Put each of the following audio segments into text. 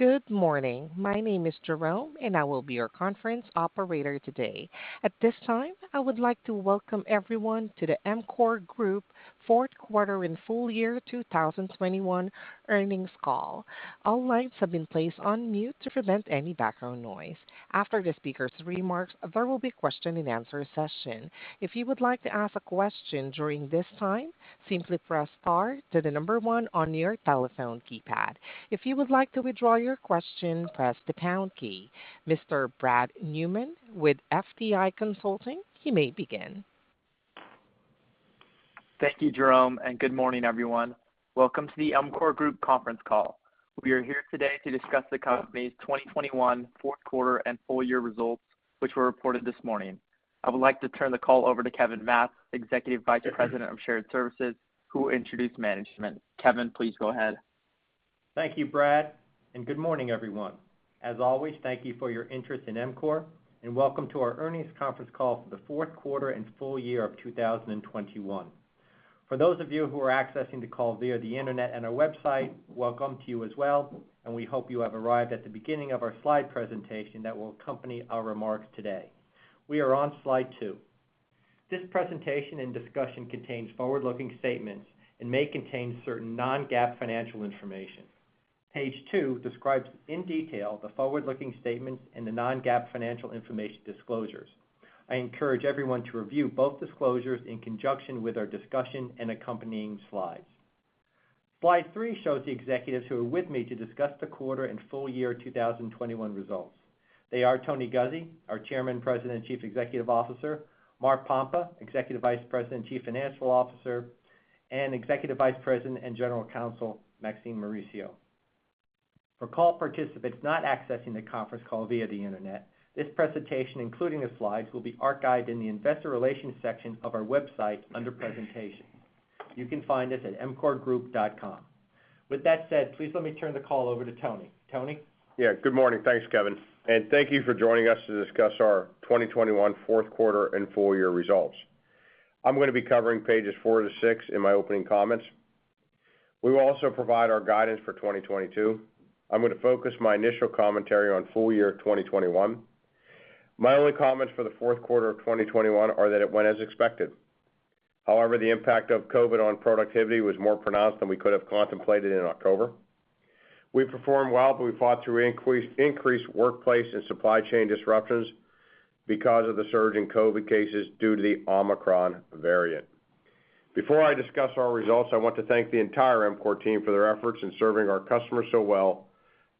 Good morning. My name is Jerome, and I will be your conference operator today. At this time, I would like to welcome everyone to the EMCOR Group Fourth Quarter and Full Year 2021 Earnings Call. All lines have been placed on mute to prevent any background noise. After the speakers' remarks, there will be a question-and-answer session. If you would like to ask a question during this time, simply press star then the number one on your telephone keypad. If you would like to withdraw your question, press the pound key. Mr. Brad Newman with FTI Consulting, you may begin. Thank you, Jerome, and good morning, everyone. Welcome to the EMCOR Group conference call. We are here today to discuss the company's 2021 fourth quarter and full year results, which were reported this morning. I would like to turn the call over to Kevin Matz, Executive Vice President of Shared Services, who will introduce management. Kevin, please go ahead. Thank you, Brad, and good morning, everyone. As always, thank you for your interest in EMCOR, and welcome to our earnings conference call for the fourth quarter and full year of 2021. For those of you who are accessing the call via the internet and our website, welcome to you as well, and we hope you have arrived at the beginning of our slide presentation that will accompany our remarks today. We are on slide two. This presentation and discussion contains forward-looking statements and may contain certain non-GAAP financial information. Page 2 describes in detail the forward-looking statements and the non-GAAP financial information disclosures. I encourage everyone to review both disclosures in conjunction with our discussion and accompanying slides. Slide three shows the executives who are with me to discuss the quarter and full year 2021 results. They are Tony Guzzi, our Chairman, President, and Chief Executive Officer, Mark Pompa, Executive Vice President and Chief Financial Officer, and Executive Vice President and General Counsel, Maxine Mauricio. For call participants not accessing the conference call via the internet, this presentation, including the slides, will be archived in the investor relations section of our website under presentations. You can find us at emcorgroup.com. With that said, please let me turn the call over to Tony. Tony? Yeah. Good morning. Thanks, Kevin. Thank you for joining us to discuss our 2021 fourth quarter and full-year results. I'm gonna be covering pages 4-6 in my opening comments. We will also provide our guidance for 2022. I'm gonna focus my initial commentary on full-year 2021. My only comments for the fourth quarter of 2021 are that it went as expected. However, the impact of COVID on productivity was more pronounced than we could have contemplated in October. We performed well, but we fought through increased workplace and supply chain disruptions because of the surge in COVID cases due to the Omicron variant. Before I discuss our results, I want to thank the entire EMCOR team for their efforts in serving our customers so well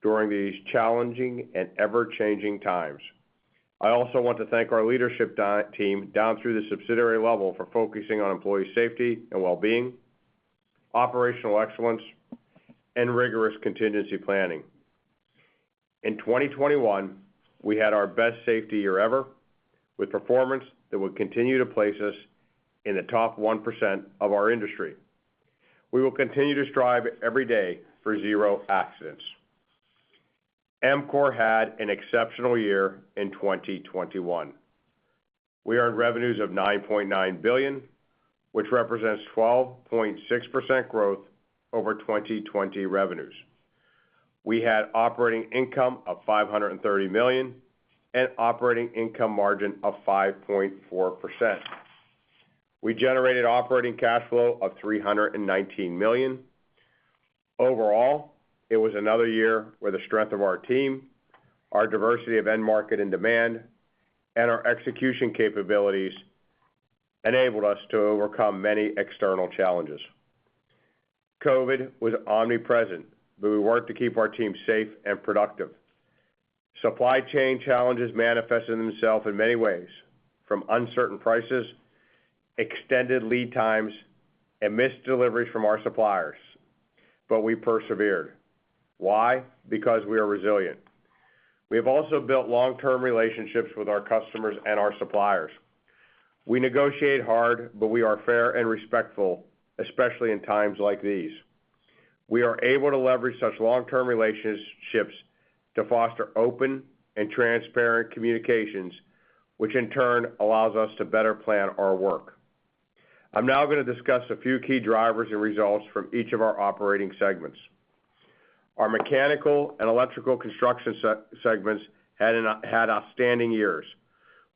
during these challenging and ever-changing times. I also want to thank our leadership team, down through the subsidiary level, for focusing on employee safety and well-being, operational excellence, and rigorous contingency planning. In 2021, we had our best safety year ever, with performance that will continue to place us in the top 1% of our industry. We will continue to strive every day for zero accidents. EMCOR had an exceptional year in 2021. We earned revenues of $9.9 billion, which represents 12.6% growth over 2020 revenues. We had operating income of $530 million and operating income margin of 5.4%. We generated operating cash flow of $319 million. Overall, it was another year where the strength of our team, our diversity of end market and demand, and our execution capabilities enabled us to overcome many external challenges. COVID was omnipresent, but we worked to keep our team safe and productive. Supply chain challenges manifested themselves in many ways, from uncertain prices, extended lead times, and missed deliveries from our suppliers, but we persevered. Why? Because we are resilient. We have also built long-term relationships with our customers and our suppliers. We negotiate hard, but we are fair and respectful, especially in times like these. We are able to leverage such long-term relationships to foster open and transparent communications, which in turn allows us to better plan our work. I'm now gonna discuss a few key drivers and results from each of our operating segments. Our mechanical and electrical construction segments had outstanding years,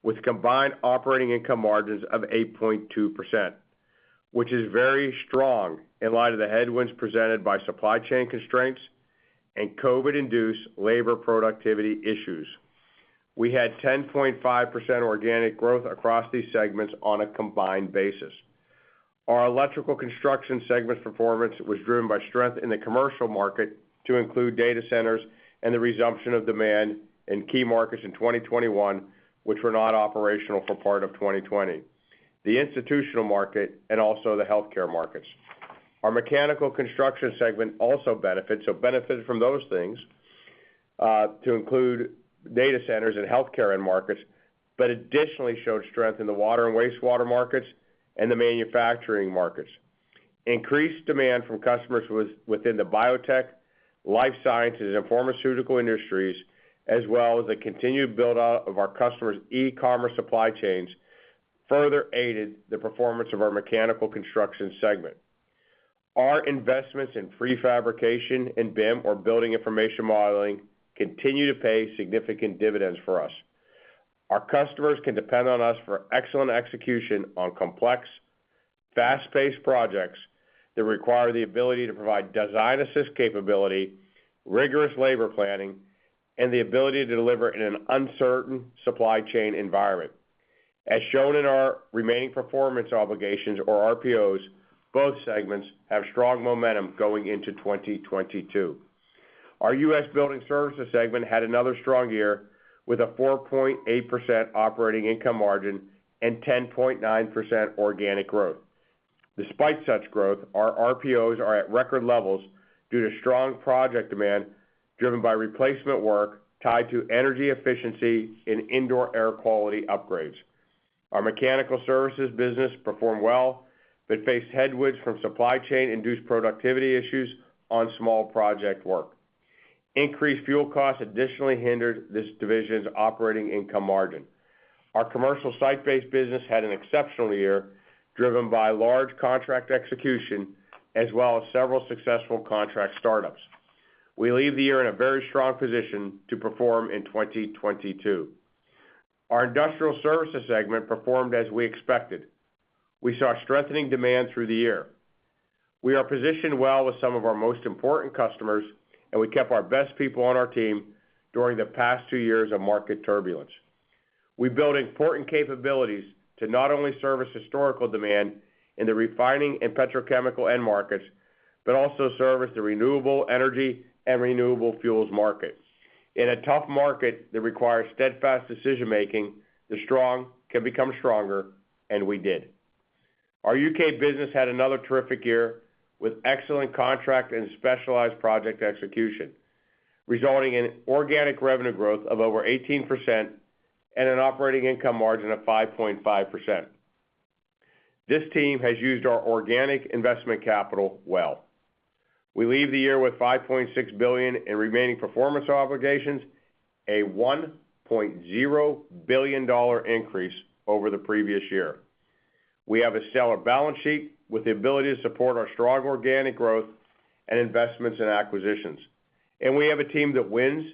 with combined operating income margins of 8.2%, which is very strong in light of the headwinds presented by supply chain constraints and COVID-induced labor productivity issues. We had 10.5% organic growth across these segments on a combined basis. Our Electrical Construction segment performance was driven by strength in the commercial market to include data centers and the resumption of demand in key markets in 2021, which were not operational for part of 2020, the institutional market, and also the healthcare markets. Our Mechanical Construction segment also benefited from those things, to include data centers and healthcare end markets, but additionally showed strength in the water and wastewater markets and the manufacturing markets. Increased demand from customers was within the biotech, life sciences, and pharmaceutical industries, as well as the continued build-out of our customers' e-commerce supply chains, further aided the performance of our Mechanical Construction segment. Our investments in pre-fabrication and BIM or Building Information Modeling continue to pay significant dividends for us. Our customers can depend on us for excellent execution on complex, fast-paced projects that require the ability to provide design assist capability, rigorous labor planning, and the ability to deliver in an uncertain supply chain environment. As shown in our remaining performance obligations or RPOs, both segments have strong momentum going into 2022. Our U.S. Building Services segment had another strong year with a 4.8% operating income margin and 10.9% organic growth. Despite such growth, our RPOs are at record levels due to strong project demand driven by replacement work tied to energy efficiency and indoor air quality upgrades. Our mechanical services business performed well, but faced headwinds from supply chain-induced productivity issues on small project work. Increased fuel costs additionally hindered this division's operating income margin. Our commercial site-based business had an exceptional year, driven by large contract execution as well as several successful contract startups. We leave the year in a very strong position to perform in 2022. Our industrial services segment performed as we expected. We saw strengthening demand through the year. We are positioned well with some of our most important customers, and we kept our best people on our team during the past two years of market turbulence. We built important capabilities to not only service historical demand in the refining and petrochemical end markets, but also service the renewable energy and renewable fuels markets. In a tough market that requires steadfast decision-making, the strong can become stronger, and we did. Our U.K. business had another terrific year with excellent contract and specialized project execution, resulting in organic revenue growth of over 18% and an operating income margin of 5.5%. This team has used our organic investment capital well. We leave the year with $5.6 billion in remaining performance obligations, a $1.0 billion increase over the previous year. We have a stellar balance sheet with the ability to support our strong organic growth and investments in acquisitions. We have a team that wins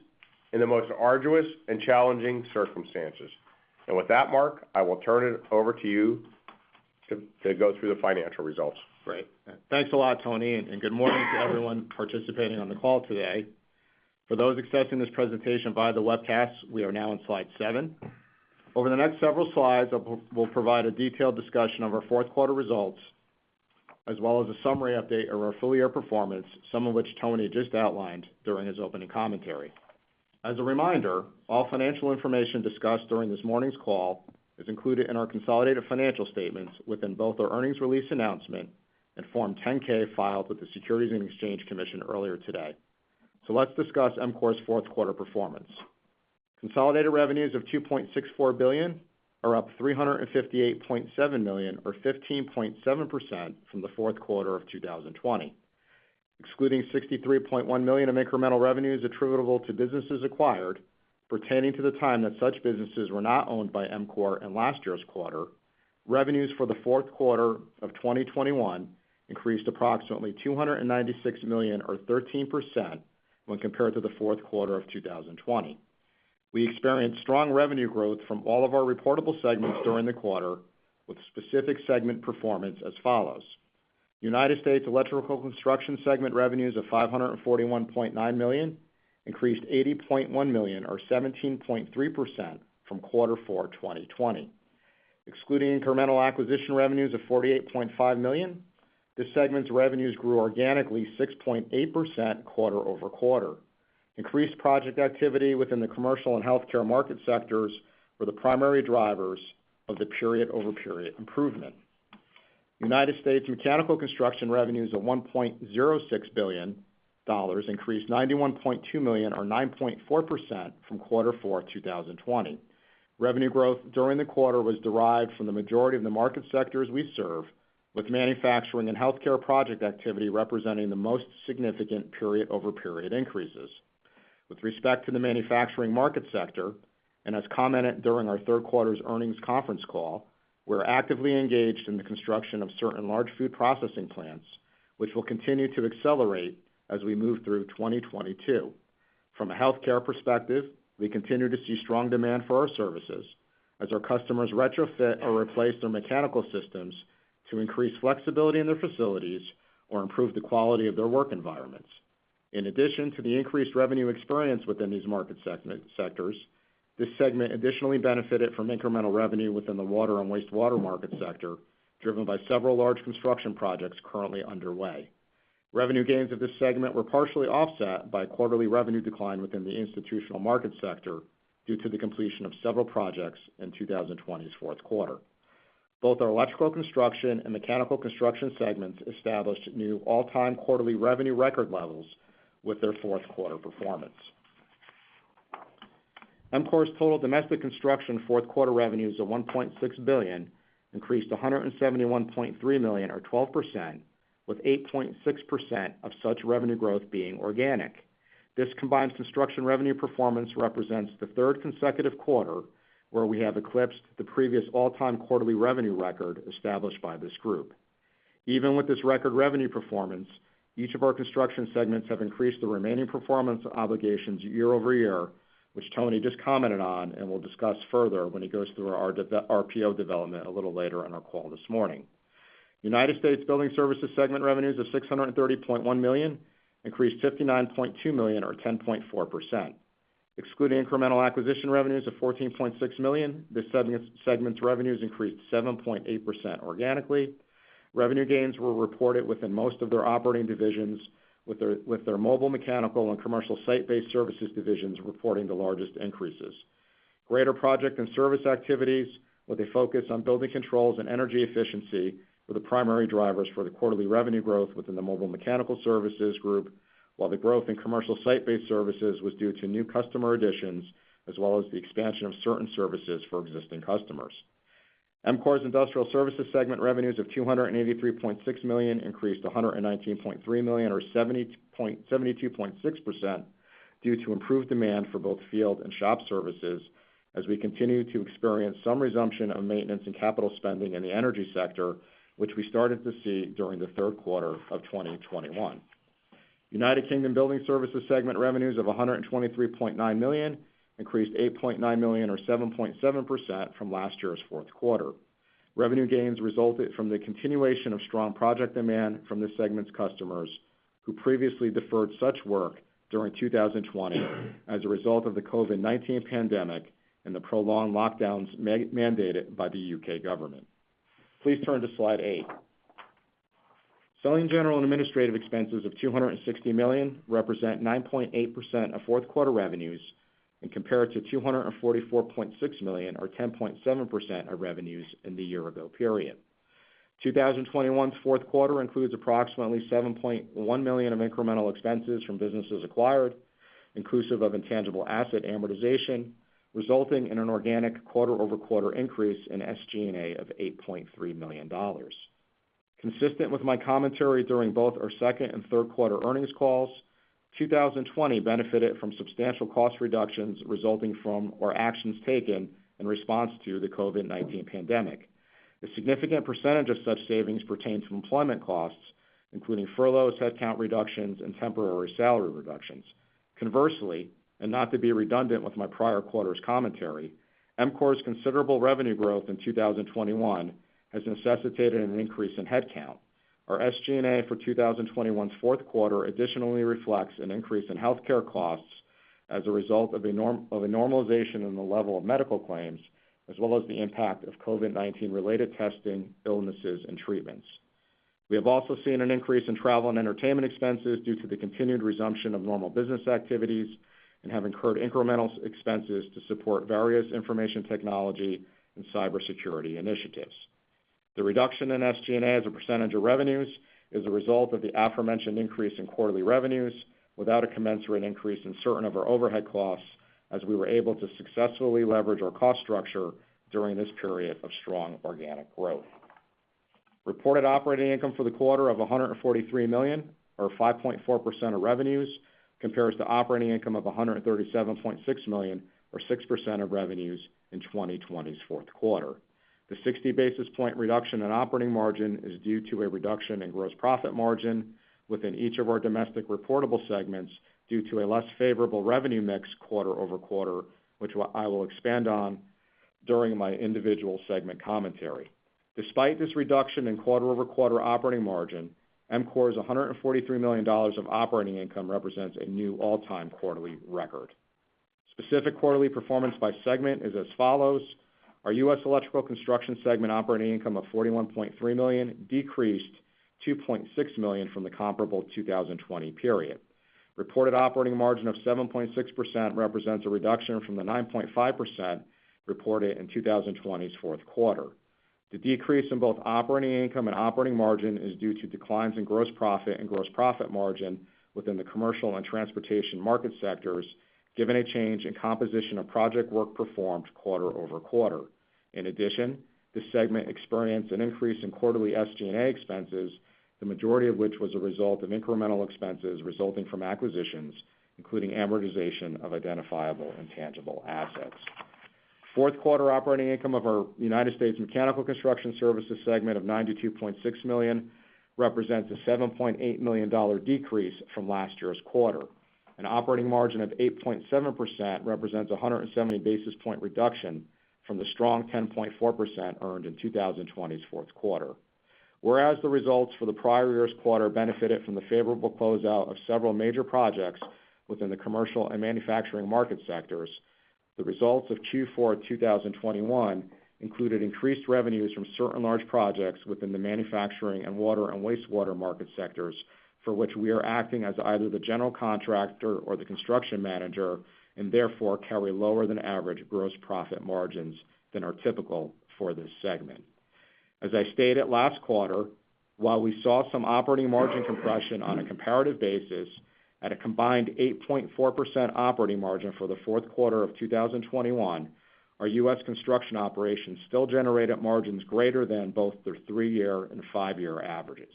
in the most arduous and challenging circumstances. With that, Mark, I will turn it over to you to go through the financial results. Great. Thanks a lot, Tony, and good morning to everyone participating on the call today. For those accessing this presentation via the webcast, we are now on slide 7. Over the next several slides, we'll provide a detailed discussion of our fourth quarter results, as well as a summary update of our full year performance, some of which Tony just outlined during his opening commentary. As a reminder, all financial information discussed during this morning's call is included in our consolidated financial statements within both our earnings release announcement and Form 10-K filed with the Securities and Exchange Commission earlier today. Let's discuss EMCOR's fourth quarter performance. Consolidated revenues of $2.64 billion are up $358.7 million or 15.7% from the fourth quarter of 2020. Excluding $63.1 million of incremental revenues attributable to businesses acquired pertaining to the time that such businesses were not owned by EMCOR in last year's quarter, revenues for the fourth quarter of 2021 increased approximately $296 million or 13% when compared to the fourth quarter of 2020. We experienced strong revenue growth from all of our reportable segments during the quarter, with specific segment performance as follows. United States Electrical Construction segment revenues of $541.9 million increased $80.1 million or 17.3% from quarter four, 2020. Excluding incremental acquisition revenues of $48.5 million, this segment's revenues grew organically 6.8% quarter-over-quarter. Increased project activity within the commercial and healthcare market sectors were the primary drivers of the period-over-period improvement. United States Mechanical Construction revenues of $1.06 billion increased $91.2 million or 9.4% from quarter four, 2020. Revenue growth during the quarter was derived from the majority of the market sectors we serve, with manufacturing and healthcare project activity representing the most significant period-over-period increases. With respect to the manufacturing market sector, and as commented during our third quarter's earnings conference call, we're actively engaged in the construction of certain large food processing plants, which will continue to accelerate as we move through 2022. From a healthcare perspective, we continue to see strong demand for our services as our customers retrofit or replace their mechanical systems to increase flexibility in their facilities or improve the quality of their work environments. In addition to the increased revenue experience within these market sectors, this segment additionally benefited from incremental revenue within the Water and Wastewater Market Sector, driven by several large construction projects currently underway. Revenue gains of this segment were partially offset by quarterly revenue decline within the institutional market sector due to the completion of several projects in 2020 fourth quarter. Both our electrical construction and mechanical construction segments established new all-time quarterly revenue record levels with their fourth quarter performance. EMCOR's total domestic construction fourth quarter revenues of $1.6 billion increased by $171.3 million, or 12%, with 8.6% of such revenue growth being organic. This combined construction revenue performance represents the third consecutive quarter where we have eclipsed the previous all-time quarterly revenue record established by this group. Even with this record revenue performance, each of our construction segments have increased the remaining performance obligations year-over-year, which Tony just commented on, and will discuss further when he goes through our PO development a little later in our call this morning. United States Building Services segment revenues of $630.1 million, increased $59.2 million or 10.4%. Excluding incremental acquisition revenues of $14.6 million, this segment's revenues increased 7.8% organically. Revenue gains were reported within most of their operating divisions with their mobile mechanical and commercial site-based services divisions reporting the largest increases. Greater project and service activities, with a focus on building controls and energy efficiency, were the primary drivers for the quarterly revenue growth within the mobile mechanical services group. While the growth in commercial site-based services was due to new customer additions, as well as the expansion of certain services for existing customers. EMCOR's Industrial Services segment revenues of $283.6 million increased $119.3 million or 72.6% due to improved demand for both field and shop services as we continue to experience some resumption of maintenance and capital spending in the energy sector, which we started to see during the third quarter of 2021. United Kingdom Building Services segment revenues of 123.9 million increased 8.9 million or 7.7% from last year's fourth quarter. Revenue gains resulted from the continuation of strong project demand from this segment's customers, who previously deferred such work during 2020 as a result of the COVID-19 pandemic and the prolonged lockdowns mandated by the U.K. government. Please turn to slide eight. Selling, general and administrative expenses of $260 million represent 9.8% of fourth quarter revenues and compared to $244.6 million or 10.7% of revenues in the year-ago period. 2021's fourth quarter includes approximately $7.1 million of incremental expenses from businesses acquired, inclusive of intangible asset amortization, resulting in an organic quarter-over-quarter increase in SG&A of $8.3 million. Consistent with my commentary during both our second and third quarter earnings calls, 2020 benefited from substantial cost reductions resulting from our actions taken in response to the COVID-19 pandemic. A significant percentage of such savings pertain to employment costs, including furloughs, headcount reductions, and temporary salary reductions. Conversely, and not to be redundant with my prior quarter's commentary, EMCOR's considerable revenue growth in 2021 has necessitated an increase in headcount. Our SG&A for 2021's fourth quarter additionally reflects an increase in healthcare costs as a result of a normalization in the level of medical claims, as well as the impact of COVID-19-related testing, illnesses, and treatments. We have also seen an increase in travel and entertainment expenses due to the continued resumption of normal business activities and have incurred incremental expenses to support various information technology and cybersecurity initiatives. The reduction in SG&A as a percentage of revenues is a result of the aforementioned increase in quarterly revenues without a commensurate increase in certain of our overhead costs, as we were able to successfully leverage our cost structure during this period of strong organic growth. Reported operating income for the quarter of $143 million or 5.4% of revenues compares to operating income of $137.6 million or 6% of revenues in 2020's fourth quarter. The 60 basis points reduction in operating margin is due to a reduction in gross profit margin within each of our domestic reportable segments due to a less favorable revenue mix quarter-over-quarter, which I will expand on during my individual segment commentary. Despite this reduction in quarter-over-quarter operating margin, EMCOR's $143 million of operating income represents a new all-time quarterly record. Specific quarterly performance by segment is as follows. Our U.S. Electrical Construction segment operating income of $41.3 million decreased $2.6 million from the comparable 2020 period. Reported operating margin of 7.6% represents a reduction from the 9.5% reported in 2020's fourth quarter. The decrease in both operating income and operating margin is due to declines in gross profit and gross profit margin within the commercial and transportation market sectors, given a change in composition of project work performed quarter-over-quarter. In addition, this segment experienced an increase in quarterly SG&A expenses, the majority of which was a result of incremental expenses resulting from acquisitions, including amortization of identifiable intangible assets. Fourth quarter operating income of our United States Mechanical Construction Services segment of $92.6 million represents a $7.8 million decrease from last years' quarter. An operating margin of 8.7% represents a 170 basis point reduction from the strong 10.4% earned in 2020's fourth quarter. Whereas the results for the prior year's quarter benefited from the favorable closeout of several major projects within the commercial and manufacturing market sectors, the results of Q4 2021 included increased revenues from certain large projects within the manufacturing and water and wastewater market sectors, for which we are acting as either the general contractor or the construction manager, and therefore, carry lower than average gross profit margins than are typical for this segment. As I stated last quarter, while we saw some operating margin compression on a comparative basis. At a combined 8.4% operating margin for the fourth quarter of 2021, our U.S. construction operations still generated margins greater than both their three year and five year averages.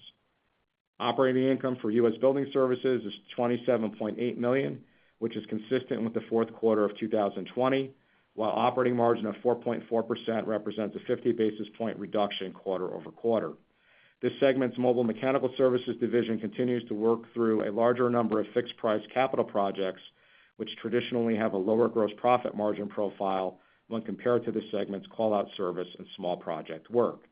Operating income for U.S. Building Services is $27.8 million, which is consistent with the fourth quarter of 2020, while operating margin of 4.4% represents a 50 basis point reduction quarter-over-quarter. This segment's Mobile Mechanical Services division continues to work through a larger number of fixed-price capital projects, which traditionally have a lower gross profit margin profile when compared to the segment's call-out service and small project work.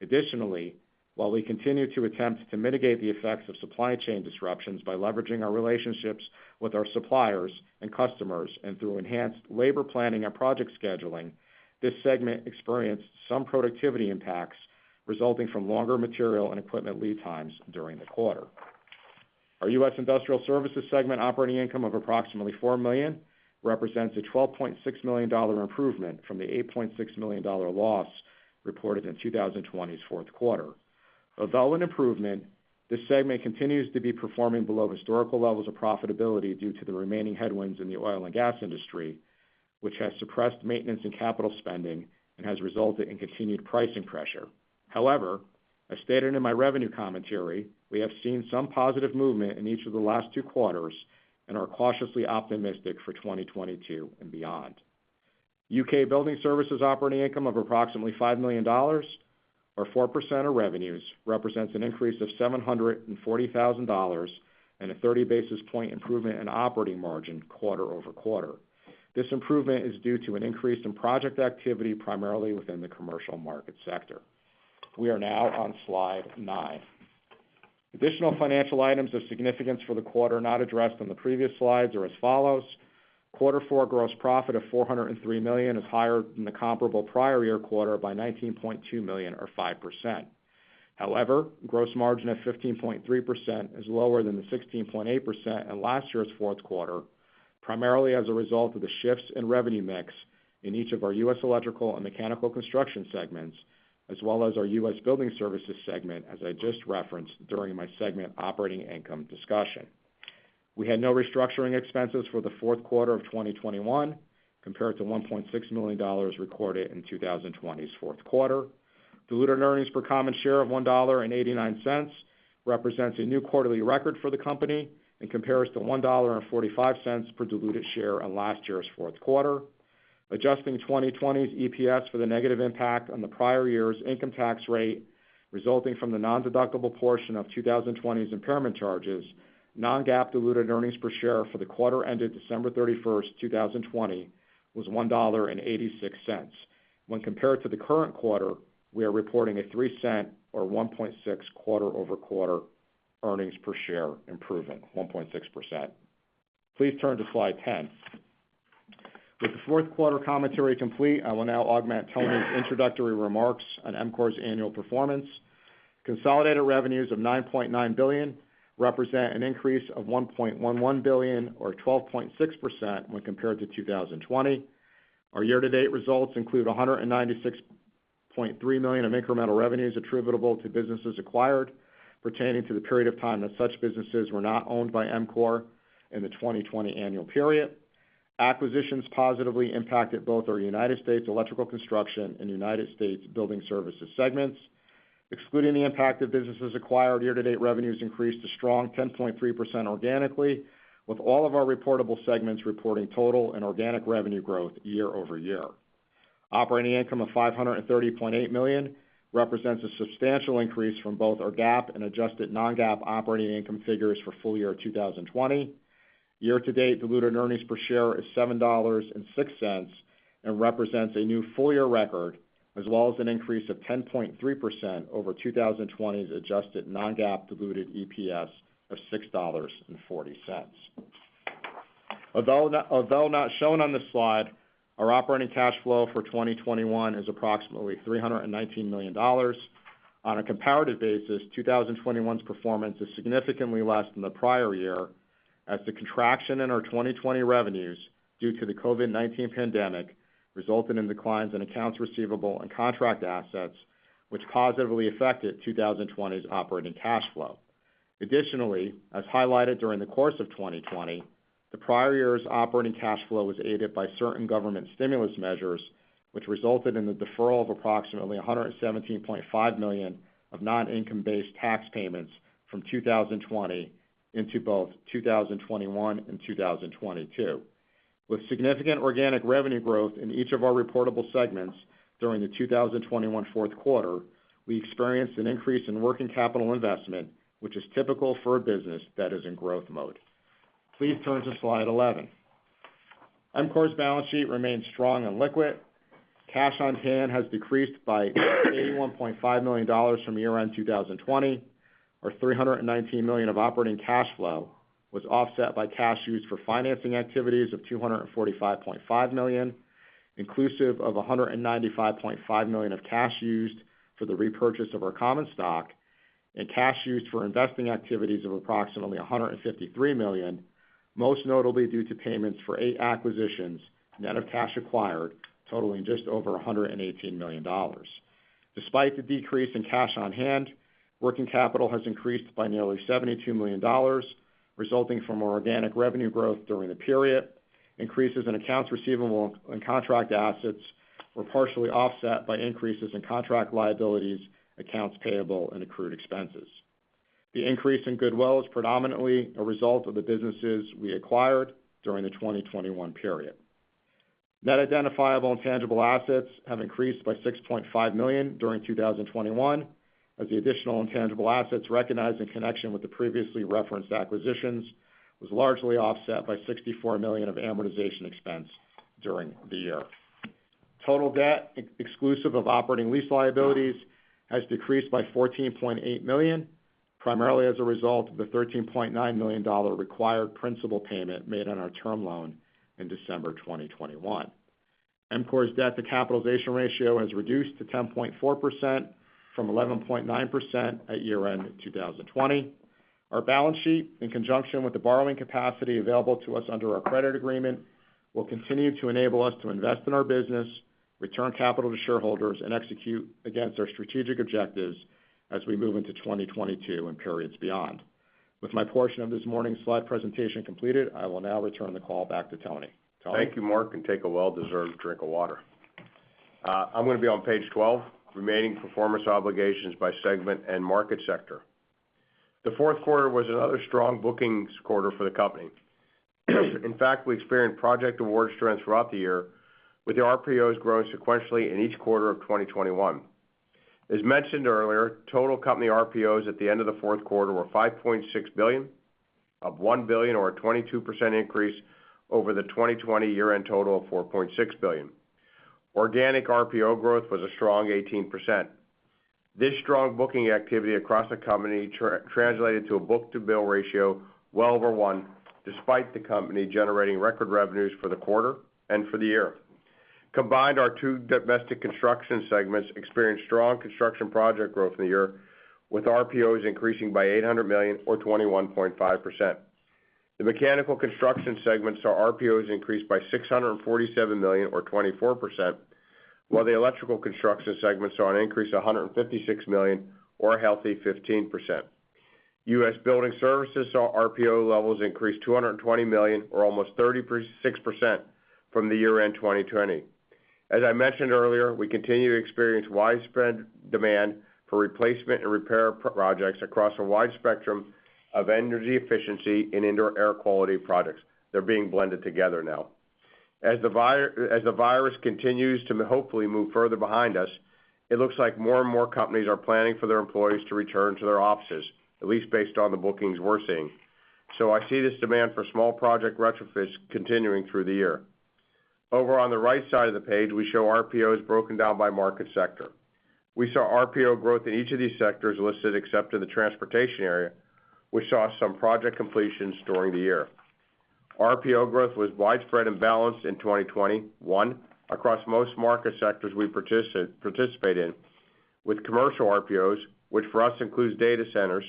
Additionally, while we continue to attempt to mitigate the effects of supply chain disruptions by leveraging our relationships with our suppliers and customers and through enhanced labor planning and project scheduling, this segment experienced some productivity impacts resulting from longer material and equipment lead times during the quarter. Our U.S. Industrial Services segment operating income of approximately $4 million represents a $12.6 million improvement from the $8.6 million loss reported in 2020's fourth quarter. Although an improvement, this segment continues to be performing below historical levels of profitability due to the remaining headwinds in the oil and gas industry, which has suppressed maintenance and capital spending and has resulted in continued pricing pressure. However, as stated in my revenue commentary, we have seen some positive movement in each of the last two quarters and are cautiously optimistic for 2022 and beyond. U.K. Building Services operating income of approximately $5 million, or 4% of revenues, represents an increase of $740,000 and a 30 basis point improvement in operating margin quarter-over-quarter. This improvement is due to an increase in project activity primarily within the commercial market sector. We are now on slide nine. Additional financial items of significance for the quarter not addressed on the previous slides are as follows. Quarter four gross profit of $403 million is higher than the comparable prior year quarter by $19.2 million or 5%. However, gross margin of 15.3% is lower than the 16.8% in last year's fourth quarter, primarily as a result of the shifts in revenue mix in each of our U.S. Electrical and Mechanical Construction segments, as well as our U.S. Building Services segment, as I just referenced during my segment operating income discussion. We had no restructuring expenses for the fourth quarter of 2021 compared to $1.6 million recorded in 2020's fourth quarter. Diluted earnings per common share of $1.89 represents a new quarterly record for the company and compares to $1.45 per diluted share in last year's fourth quarter. Adjusting 2020's EPS for the negative impact on the prior year's income tax rate resulting from the nondeductible portion of 2020's impairment charges, non-GAAP diluted earnings per share for the quarter ended December 31, 2020 was $1.86. When compared to the current quarter, we are reporting a $0.03 or 1.6% quarter-over-quarter earnings per share improvement. Please turn to slide 10. With the fourth quarter commentary complete, I will now augment Tony's introductory remarks on EMCOR's annual performance. Consolidated revenues of $9.9 billion represent an increase of $1.11 billion or 12.6% when compared to 2020. Our year-to-date results include $196.3 million of incremental revenues attributable to businesses acquired pertaining to the period of time that such businesses were not owned by EMCOR in the 2020 annual period. Acquisitions positively impacted both our United States Electrical Construction and United States Building Services segments. Excluding the impact of businesses acquired, year-to-date revenues increased a strong 10.3% organically, with all of our reportable segments reporting total and organic revenue growth year-over-year. Operating income of $530.8 million represents a substantial increase from both our GAAP and adjusted non-GAAP operating income figures for full year 2020. Year-to-date diluted earnings per share is $7.06 and represents a new full-year record, as well as an increase of 10.3% over 2020's adjusted non-GAAP diluted EPS of $6.40. Although not shown on this slide, our operating cash flow for 2021 is approximately $319 million. On a comparative basis, 2021's performance is significantly less than the prior year, as the contraction in our 2020 revenues due to the COVID-19 pandemic resulted in declines in accounts receivable and contract assets, which positively affected 2020's operating cash flow. Additionally, as highlighted during the course of 2020, the prior year's operating cash flow was aided by certain government stimulus measures, which resulted in the deferral of approximately $117.5 million of non-income-based tax payments from 2020 into both 2021 and 2022. With significant organic revenue growth in each of our reportable segments during the 2021 fourth quarter, we experienced an increase in working capital investment, which is typical for a business that is in growth mode. Please turn to slide 11. EMCOR's balance sheet remains strong and liquid. Cash on hand has decreased by $81.5 million from year-end 2020, where $319 million of operating cash flow was offset by cash used for financing activities of $245.5 million, inclusive of $195.5 million of cash used for the repurchase of our common stock, and cash used for investing activities of approximately $153 million, most notably due to payments for eight acquisitions, net of cash acquired totaling just over $118 million. Despite the decrease in cash on hand, working capital has increased by nearly $72 million resulting from our organic revenue growth during the period. Increases in accounts receivable and contract assets were partially offset by increases in contract liabilities, accounts payable, and accrued expenses. The increase in goodwill is predominantly a result of the businesses we acquired during the 2021 period. Net identifiable intangible assets have increased by $6.5 million during 2021, as the additional intangible assets recognized in connection with the previously referenced acquisitions was largely offset by $64 million of amortization expense during the year. Total debt exclusive of operating lease liabilities has decreased by $14.8 million, primarily as a result of the $13.9 million required principal payment made on our term loan in December 2021. EMCOR's debt to capitalization ratio has reduced to 10.4% from 11.9% at year-end 2020. Our balance sheet, in conjunction with the borrowing capacity available to us under our credit agreement, will continue to enableus to invest in our business, return capital to shareholders, and execute against our strategic objectives as we move into 2022 and periods beyond. With my portion of this morning's slide presentation completed, I will now return the call back to Tony. Tony? Thank you, Mark, and take a well-deserved drink of water. I'm gonna be on page 12, remaining performance obligations by segment and market sector. The fourth quarter was another strong bookings quarter for the company. In fact, we experienced project award strength throughout the year, with the RPOs growing sequentially in each quarter of 2021. As mentioned earlier, total company RPOs at the end of the fourth quarter were $5.6 billion, up $1 billion or a 22% increase over the 2020 year-end total of $4.6 billion. Organic RPO growth was a strong 18%. This strong booking activity across the company translated to a book-to-bill ratio well over one, despite the company generating record revenues for the quarter and for the year. Combined, our two domestic construction segments experienced strong construction project growth in the year, with RPOs increasing by $800 million or 21.5%. The Mechanical Construction segment saw RPOs increase by $647 million or 24%, while the Electrical Construction segment saw an increase of $156 million or a healthy 15%. U.S. Building Services saw RPO levels increase $220 million or almost 36% from year-end 2020. We continue to experience widespread demand for replacement and repair projects across a wide spectrum of energy efficiency and indoor air quality projects. They're being blended together now. As the virus continues to hopefully move further behind us, it looks like more and more companies are planning for their employees to return to their offices, at least based on the bookings we're seeing. I see this demand for small project retrofits continuing through the year. Over on the right side of the page, we show RPOs broken down by market sector. We saw RPO growth in each of these sectors listed except in the transportation area. We saw some project completions during the year. RPO growth was widespread and balanced in 2021 across most market sectors we participate in with commercial RPOs, which for us includes data centers,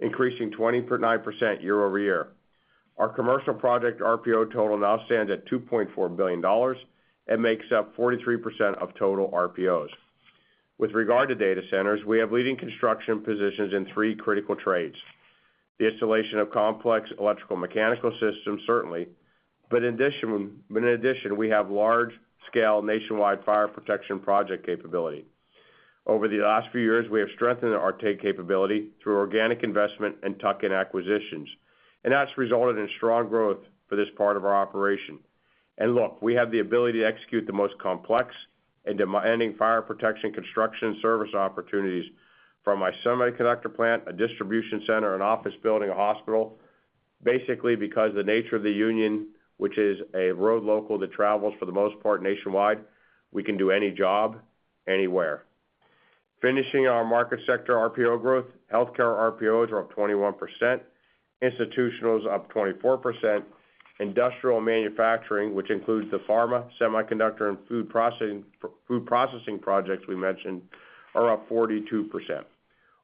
increasing 20.9% year-over-year. Our commercial project RPO total now stands at $2.4 billion and makes up 43% of total RPOs. With regard to data centers, we have leading construction positions in three critical trades. The installation of complex electrical mechanical systems, certainly, but in addition, we have large-scale nationwide fire protection project capability. Over the last few years, we have strengthened our trade capability through organic investment and tuck-in acquisitions, and that's resulted in strong growth for this part of our operation. Look, we have the ability to execute the most complex and demanding fire protection construction service opportunities from a semiconductor plant, a distribution center, an office building, a hospital. Basically, because the nature of the union, which is a road local that travels for the most part nationwide, we can do any job anywhere. Finishing our market sector RPO growth, healthcare RPOs are up 21%, institutional is up 24%, industrial manufacturing, which includes the pharma, semiconductor, and food processing projects we mentioned, are up 42%.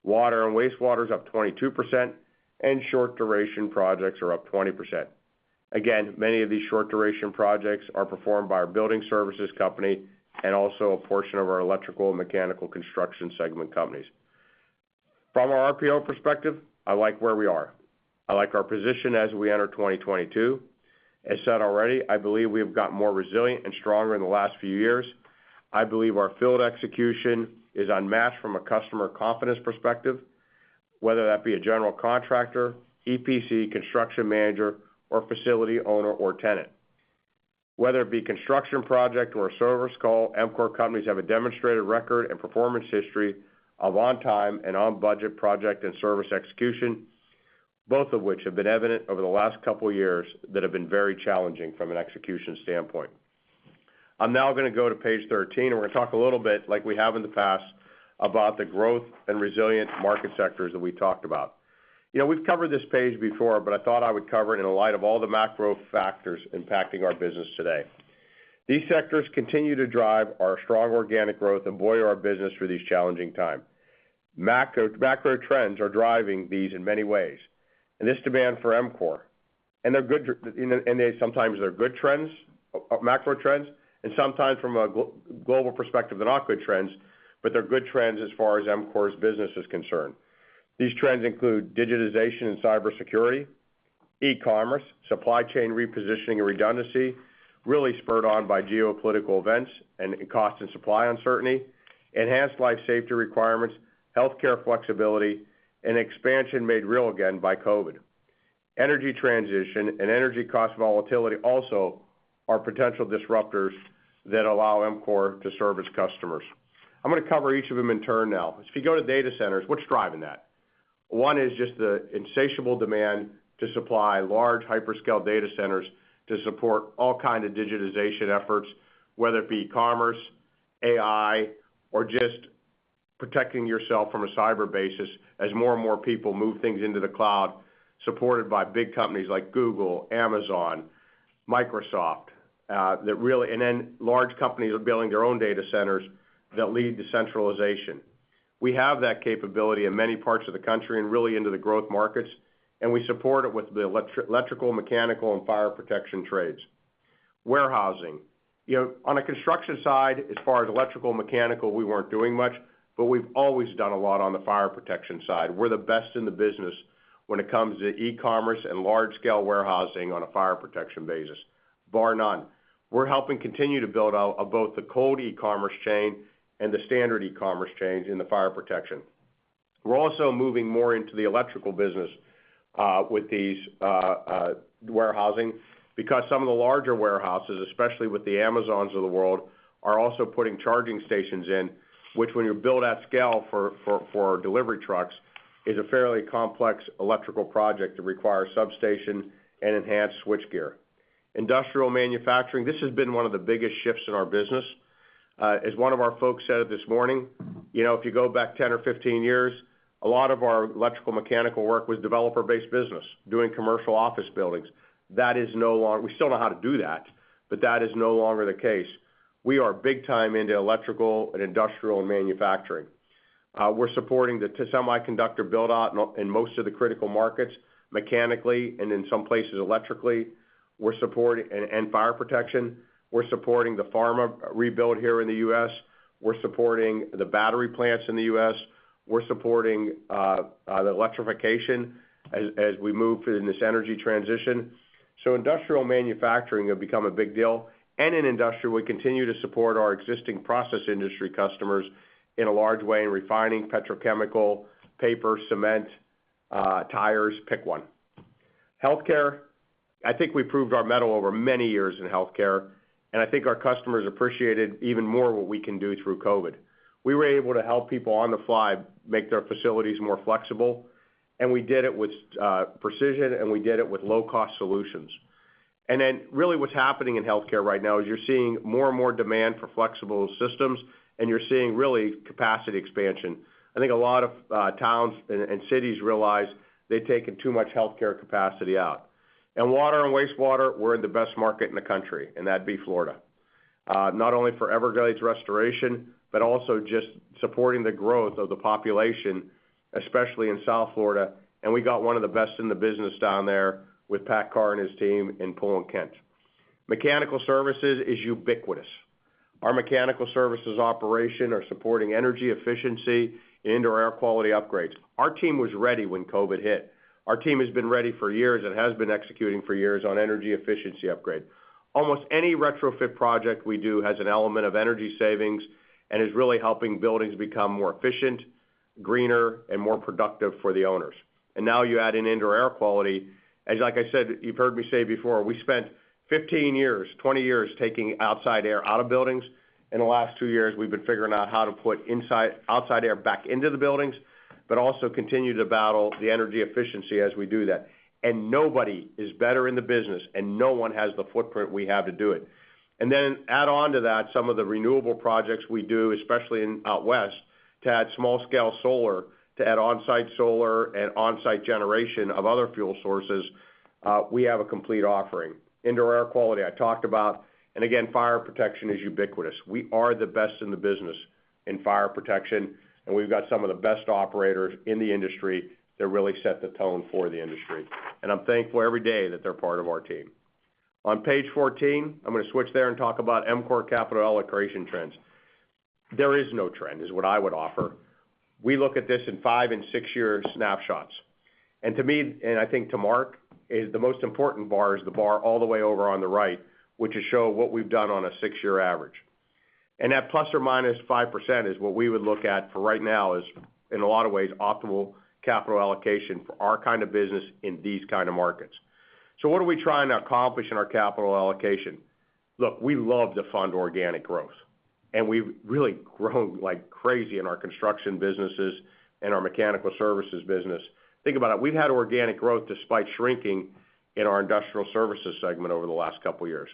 Water and wastewater is up 22%, and short-duration projects are up 20%. Again, many of these short-duration projects are performed by our building services company and also a portion of our electrical and mechanical construction segment companies. From our RPO perspective, I like where we are. I like our position as we enter 2022. As said already, I believe we have got more resilient and stronger in the last few years. I believe our field execution is unmatched from a customer confidence perspective, whether that be a general contractor, EPC construction manager, or facility owner or tenant. Whether it be a construction project or a service call, EMCOR companies have a demonstrated record and performance history of on-time and on-budget project and service execution, both of which have been evident over the last couple years that have been very challenging from an execution standpoint. I'm now gonna go to page 13, and we're gonna talk a little bit, like we have in the past, about the growth and resilient market sectors that we talked about. You know, we've covered this page before, but I thought I would cover it in light of all the macro factors impacting our business today. These sectors continue to drive our strong organic growth and buoy our business through these challenging times. Macro trends are driving these in many ways. This demand for EMCOR. They're good trends, macro trends, and sometimes from a global perspective, they're not good trends, but they're good trends as far as EMCOR's business is concerned. These trends include digitization and cybersecurity, e-commerce, supply chain repositioning and redundancy, really spurred on by geopolitical events and cost and supply uncertainty, enhanced life safety requirements, healthcare flexibility, and expansion made real again by COVID. Energy transition and energy cost volatility also are potential disruptors that allow EMCOR to serve its customers. I'm gonna cover each of them in turn now. If you go to data centers, what's driving that? One is just the insatiable demand to supply large hyperscale data centers to support all kind of digitization efforts, whether it be commerce, AI, or just protecting yourself from a cyber basis as more and more people move things into the cloud supported by big companies like Google, Amazon, Microsoft. Large companies are building their own data centers that lead to centralization. We have that capability in many parts of the country and really into the growth markets, and we support it with the electrical, mechanical, and fire protection trades. Warehousing. You know, on a construction side, as far as electrical, mechanical, we weren't doing much, but we've always done a lot on the fire protection side. We're the best in the business when it comes to e-commerce and large-scale warehousing on a fire protection basis, bar none. We're helping continue to build out both the cold e-commerce chain and the standard e-commerce chains in the fire protection. We're also moving more into the electrical business with these warehouses because some of the larger warehouses, especially with the Amazons of the world, are also putting charging stations in which when you build at scale for delivery trucks is a fairly complex electrical project that requires substation and enhanced switchgear. Industrial manufacturing, this has been one of the biggest shifts in our business. As one of our folks said it this morning, you know, if you go back 10 or 15 years, a lot of our electrical mechanical work was developer-based business doing commercial office buildings. We still know how to do that, but that is no longer the case. We are big time into electrical and industrial manufacturing. We're supporting the semiconductor build-out in most of the critical markets mechanically and in some place, electrically, and fire protection. We're supporting the pharma rebuild here in the U.S. We're supporting the battery plants in the U.S. We're supporting the electrification as we move in this energy transition. Industrial manufacturing have become a big deal. In industrial, we continue to support our existing process industry customers in a large way in refining, petrochemical, paper, cement, tires, pick one. Healthcare, I think we proved our mettle over many years in healthcare, and I think our customers appreciated even more what we can do through COVID. We were able to help people on the fly make their facilities more flexible, and we did it with precision, and we did it with low-cost solutions. Really what's happening in healthcare right now is you're seeing more and more demand for flexible systems, and you're seeing really capacity expansion. I think a lot of towns and cities realize they've taken too much healthcare capacity out. Water and Wastewater, we're in the best market in the country, and that'd be Florida, not only for Everglades restoration, but also just supporting the growth of the population, especially in South Florida. We got one of the best in the business down there with Pat Carr and his team in Poole & Kent. Mechanical services is ubiquitous. Our mechanical services operation are supporting energy efficiency, indoor air quality upgrades. Our team was ready when COVID hit. Our team has been ready for years and has been executing for years on energy efficiency upgrade. Almost any retrofit project we do has an element of energy savings and is really helping buildings become more efficient, greener, and more productive for the owners. Now you add in indoor air quality, as like I said, you've heard me say before, we spent 15 years, 20 years taking outside air out of buildings. In the last two years, we've been figuring out how to put outside air back into the buildings, but also continue to battle the energy efficiency as we do that. Nobody is better in the business, and no one has the footprint we have to do it. Then add on to that some of the renewable projects we do, especially out West, to add small-scale solar, to add on-site solar and on-site generation of other fuel sources, we have a complete offering. Indoor air quality, I talked about. Again, fire protection is ubiquitous. We are the best in the business in fire protection, and we've got some of the best operators in the industry that really set the tone for the industry. I'm thankful every day that they're part of our team. On page 14, I'm gonna switch there and talk about EMCOR capital allocation trends. There is no trend, is what I would offer. We look at this in five and six-year snapshots. To me, and I think to Mark, the most important bar is the bar all the way over on the right, which shows what we've done on a six-year average. That plus or minus 5% is what we would look at for right now is in a lot of ways, optimal capital allocation for our kind of business in these kind of markets. What are we trying to accomplish in our capital allocation? Look, we love to fund organic growth, and we've really grown like crazy in our construction businesses and our mechanical services business. Think about it. We've had organic growth despite shrinking in our industrial services segment over the last couple of years.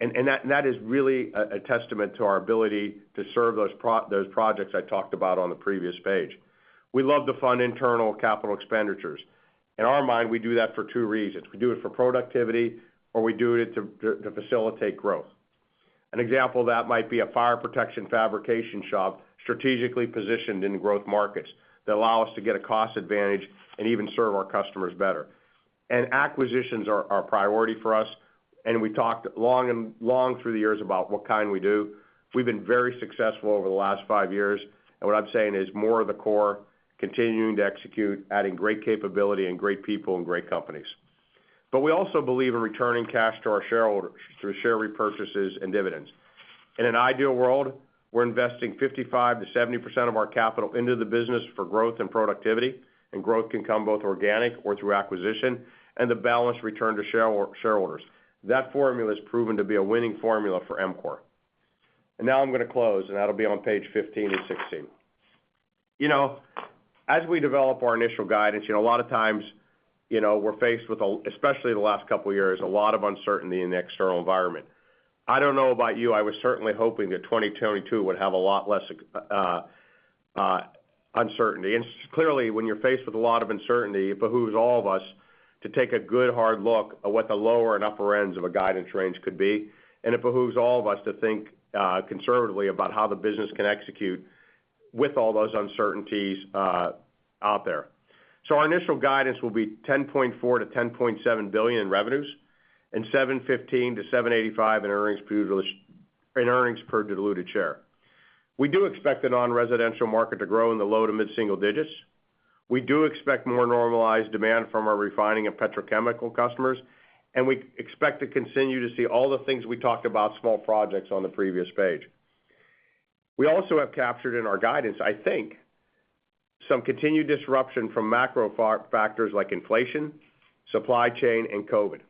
That is really a testament to our ability to serve those projects I talked about on the previous page. We love to fund internal capital expenditures. In our mind, we do that for two reasons. We do it for productivity, or we do it to facilitate growth. An example of that might be a fire protection fabrication shop strategically positioned in growth markets that allow us to get a cost advantage and even serve our customers better. Acquisitions are a priority for us, and we talked long through the years about what kind we do. We've been very successful over the last five years, and what I'm saying is more of the core, continuing to execute, adding great capability and great people and great companies. But we also believe in returning cash to our shareholders through share repurchases and dividends. In an ideal world, we're investing 55%-70% of our capital into the business for growth and productivity, and growth can come both organic or through acquisition and the balance returned to shareholders. That formula has proven to be a winning formula for EMCOR. Now I'm gonna close, and that'll be on page 15 and 16. You know, as we develop our initial guidance, you know, a lot of times, you know, we're faced with, especially the last couple of years, a lot of uncertainty in the external environment. I don't know about you, I was certainly hoping that 2022 would have a lot less uncertainty. Clearly, when you're faced with a lot of uncertainty, it behooves all of us to take a good hard look at what the lower and upper ends of a guidance range could be. It behooves all of us to think conservatively about how the business can execute with all those uncertainties out there. Our initial guidance will be $10.4 billion-$10.7 billion in revenues and $7.15-$7.85 in earnings per diluted share. We do expect the non-residential market to grow in the low- to mid-single digits. We do expect more normalized demand from our refining and petrochemical customers, and we expect to continue to see all the things we talked about small projects on the previous page. We also have captured in our guidance, I think, some continued disruption from macro factors like inflation, supply chain, and COVID.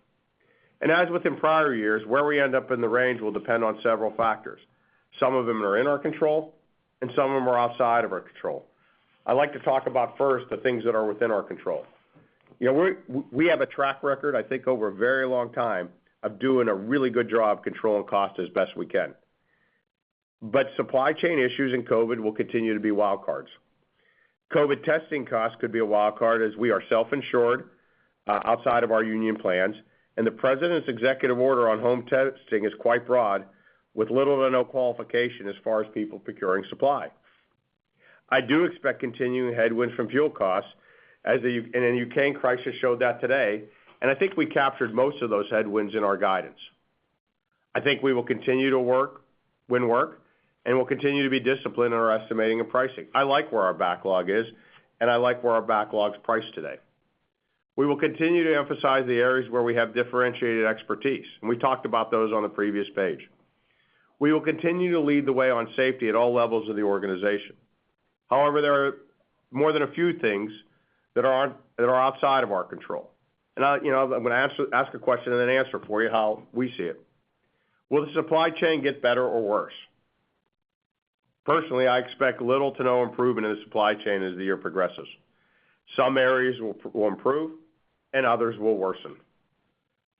As within prior years, where we end up in the range will depend on several factors. Some of them are in our control and some of them are outside of our control. I'd like to talk about first the things that are within our control. You know, we have a track record, I think over a very long time, of doing a really good job controlling cost as best we can. Supply chain issues and COVID will continue to be wild cards. COVID testing costs could be a wild card as we are self-insured outside of our union plans, and the president's executive order on home testing is quite broad, with little to no qualification as far as people procuring supply. I do expect continuing headwinds from fuel costs, as the Ukraine crisis showed that today, and I think we captured most of those headwinds in our guidance. I think we will continue to win work, and we'll continue to be disciplined in our estimating and pricing. I like where our backlog is, and I like where our backlog's priced today. We will continue to emphasize the areas where we have differentiated expertise, and we talked about those on the previous page. We will continue to lead the way on safety at all levels of the organization. However, there are more than a few things that are outside of our control. I, you know, I'm gonna ask a question and then answer it for you how we see it. Will the supply chain get better or worse? Personally, I expect little to no improvement in the supply chain as the year progresses. Some areas will improve and others will worsen.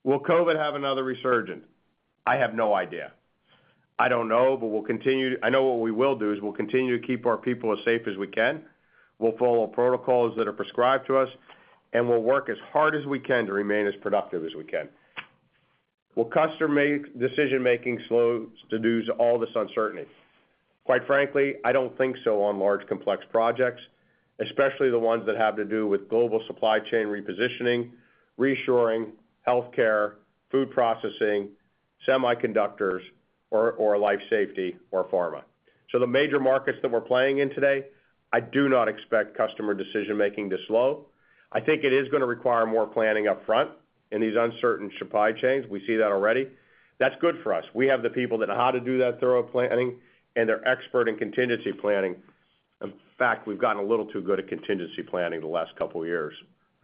Will COVID have another resurgence? I have no idea. I don't know, but I know what we will do is we'll continue to keep our people as safe as we can, we'll follow protocols that are prescribed to us, and we'll work as hard as we can to remain as productive as we can. Will customer decision-making slow due to all this uncertainty? Quite frankly, I don't think so on large complex projects, especially the ones that have to do with global supply chain repositioning, reshoring, healthcare, food processing, semiconductors or life safety or pharma. The major markets that we're playing in today, I do not expect customer decision-making to slow. I think it is gonna require more planning up front in these uncertain supply chains. We see that already. That's good for us. We have the people that know how to do that thorough planning, and they're expert in contingency planning. In fact, we've gotten a little too good at contingency planning the last couple of years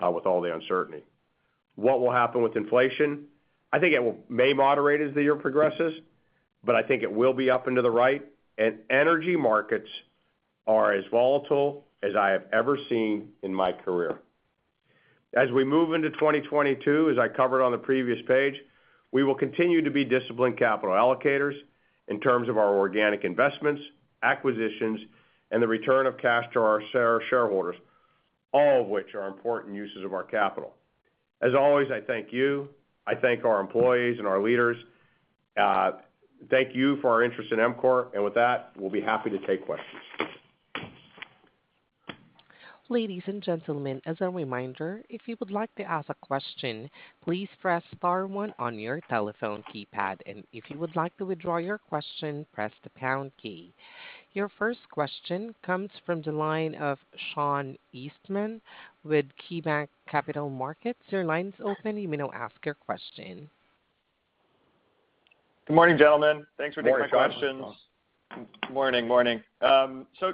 with all the uncertainty. What will happen with inflation? I think it may moderate as the year progresses, but I think it will be up and to the right, and energy markets are as volatile as I have ever seen in my career. As we move into 2022, as I covered on the previous page, we will continue to be disciplined capital allocators in terms of our organic investments, acquisitions, and the return of cash to our shareholders, all of which are important uses of our capital. As always, I thank you, I thank our employees and our leaders. Thank you for our interest in EMCOR. With that, we'll be happy to take questions. Ladies and gentlemen, as a reminder, if you would like to ask a question, please press star one on your telephone keypad. If you would like to withdraw your question, press the pound key. Your first question comes from the line of Sean Eastman with KeyBanc Capital Markets. Your line's open. You may now ask your question. Good morning, gentlemen. Thanks for taking my questions. Morning, Sean. Morning.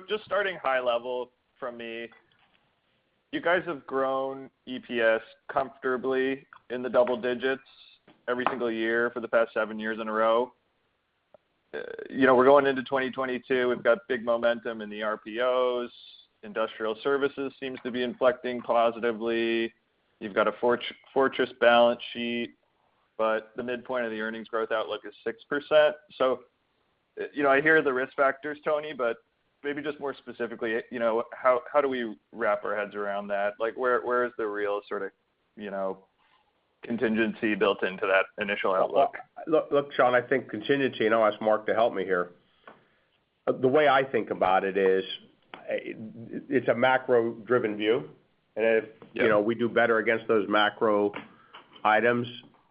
Just starting high level from me, you guys have grown EPS comfortably in the double digits every single year for the past seven years in a row. You know, we're going into 2022. We've got big momentum in the RPOs. Industrial services seems to be inflecting positively. You've got a fortress balance sheet, but the midpoint of the earnings growth outlook is 6%. You know, I hear the risk factors, Tony, but maybe just more specifically, you know, how do we wrap our heads around that? Like, where is the real sort of, you know, contingency built into that initial outlook? Look, Sean, I think contingency, and I'll ask Mark to help me here. The way I think about it is, it's a macro-driven view. If. Yeah... you know, we do better against those macro items,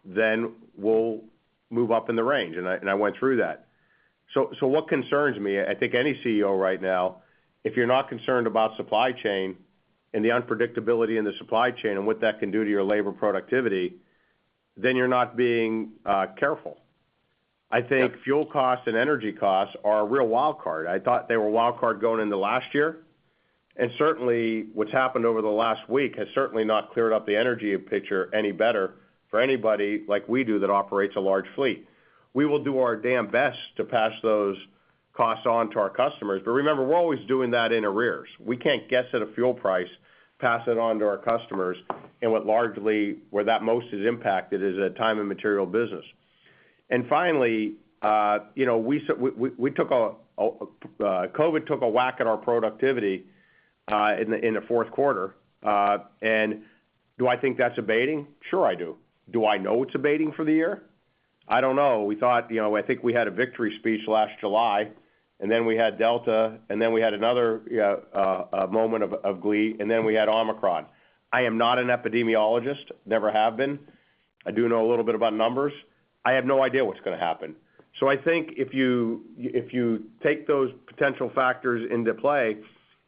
then we'll move up in the range, and I went through that. What concerns me, I think any CEO right now, if you're not concerned about supply chain and the unpredictability in the supply chain and what that can do to your labor productivity, then you're not being careful. Yeah. I think fuel costs and energy costs are a real wild card. I thought they were a wild card going into last year. Certainly, what's happened over the last week has certainly not cleared up the energy picture any better for anybody, like we do, that operates a large fleet. We will do our damn best to pass those costs on to our customers. Remember, we're always doing that in arrears. We can't guess at a fuel price, pass it on to our customers, and largely where that most is impacted is a time and material business. Finally, you know, COVID took a whack at our productivity in the fourth quarter. Do I think that's abating? Sure I do. Do I know it's abating for the year? I don't know. We thought, you know, I think we had a victory speech last July, and then we had Delta, and then we had another a moment of glee, and then we had Omicron. I am not an epidemiologist, never have been. I do know a little bit about numbers. I have no idea what's gonna happen. I think if you take those potential factors into play,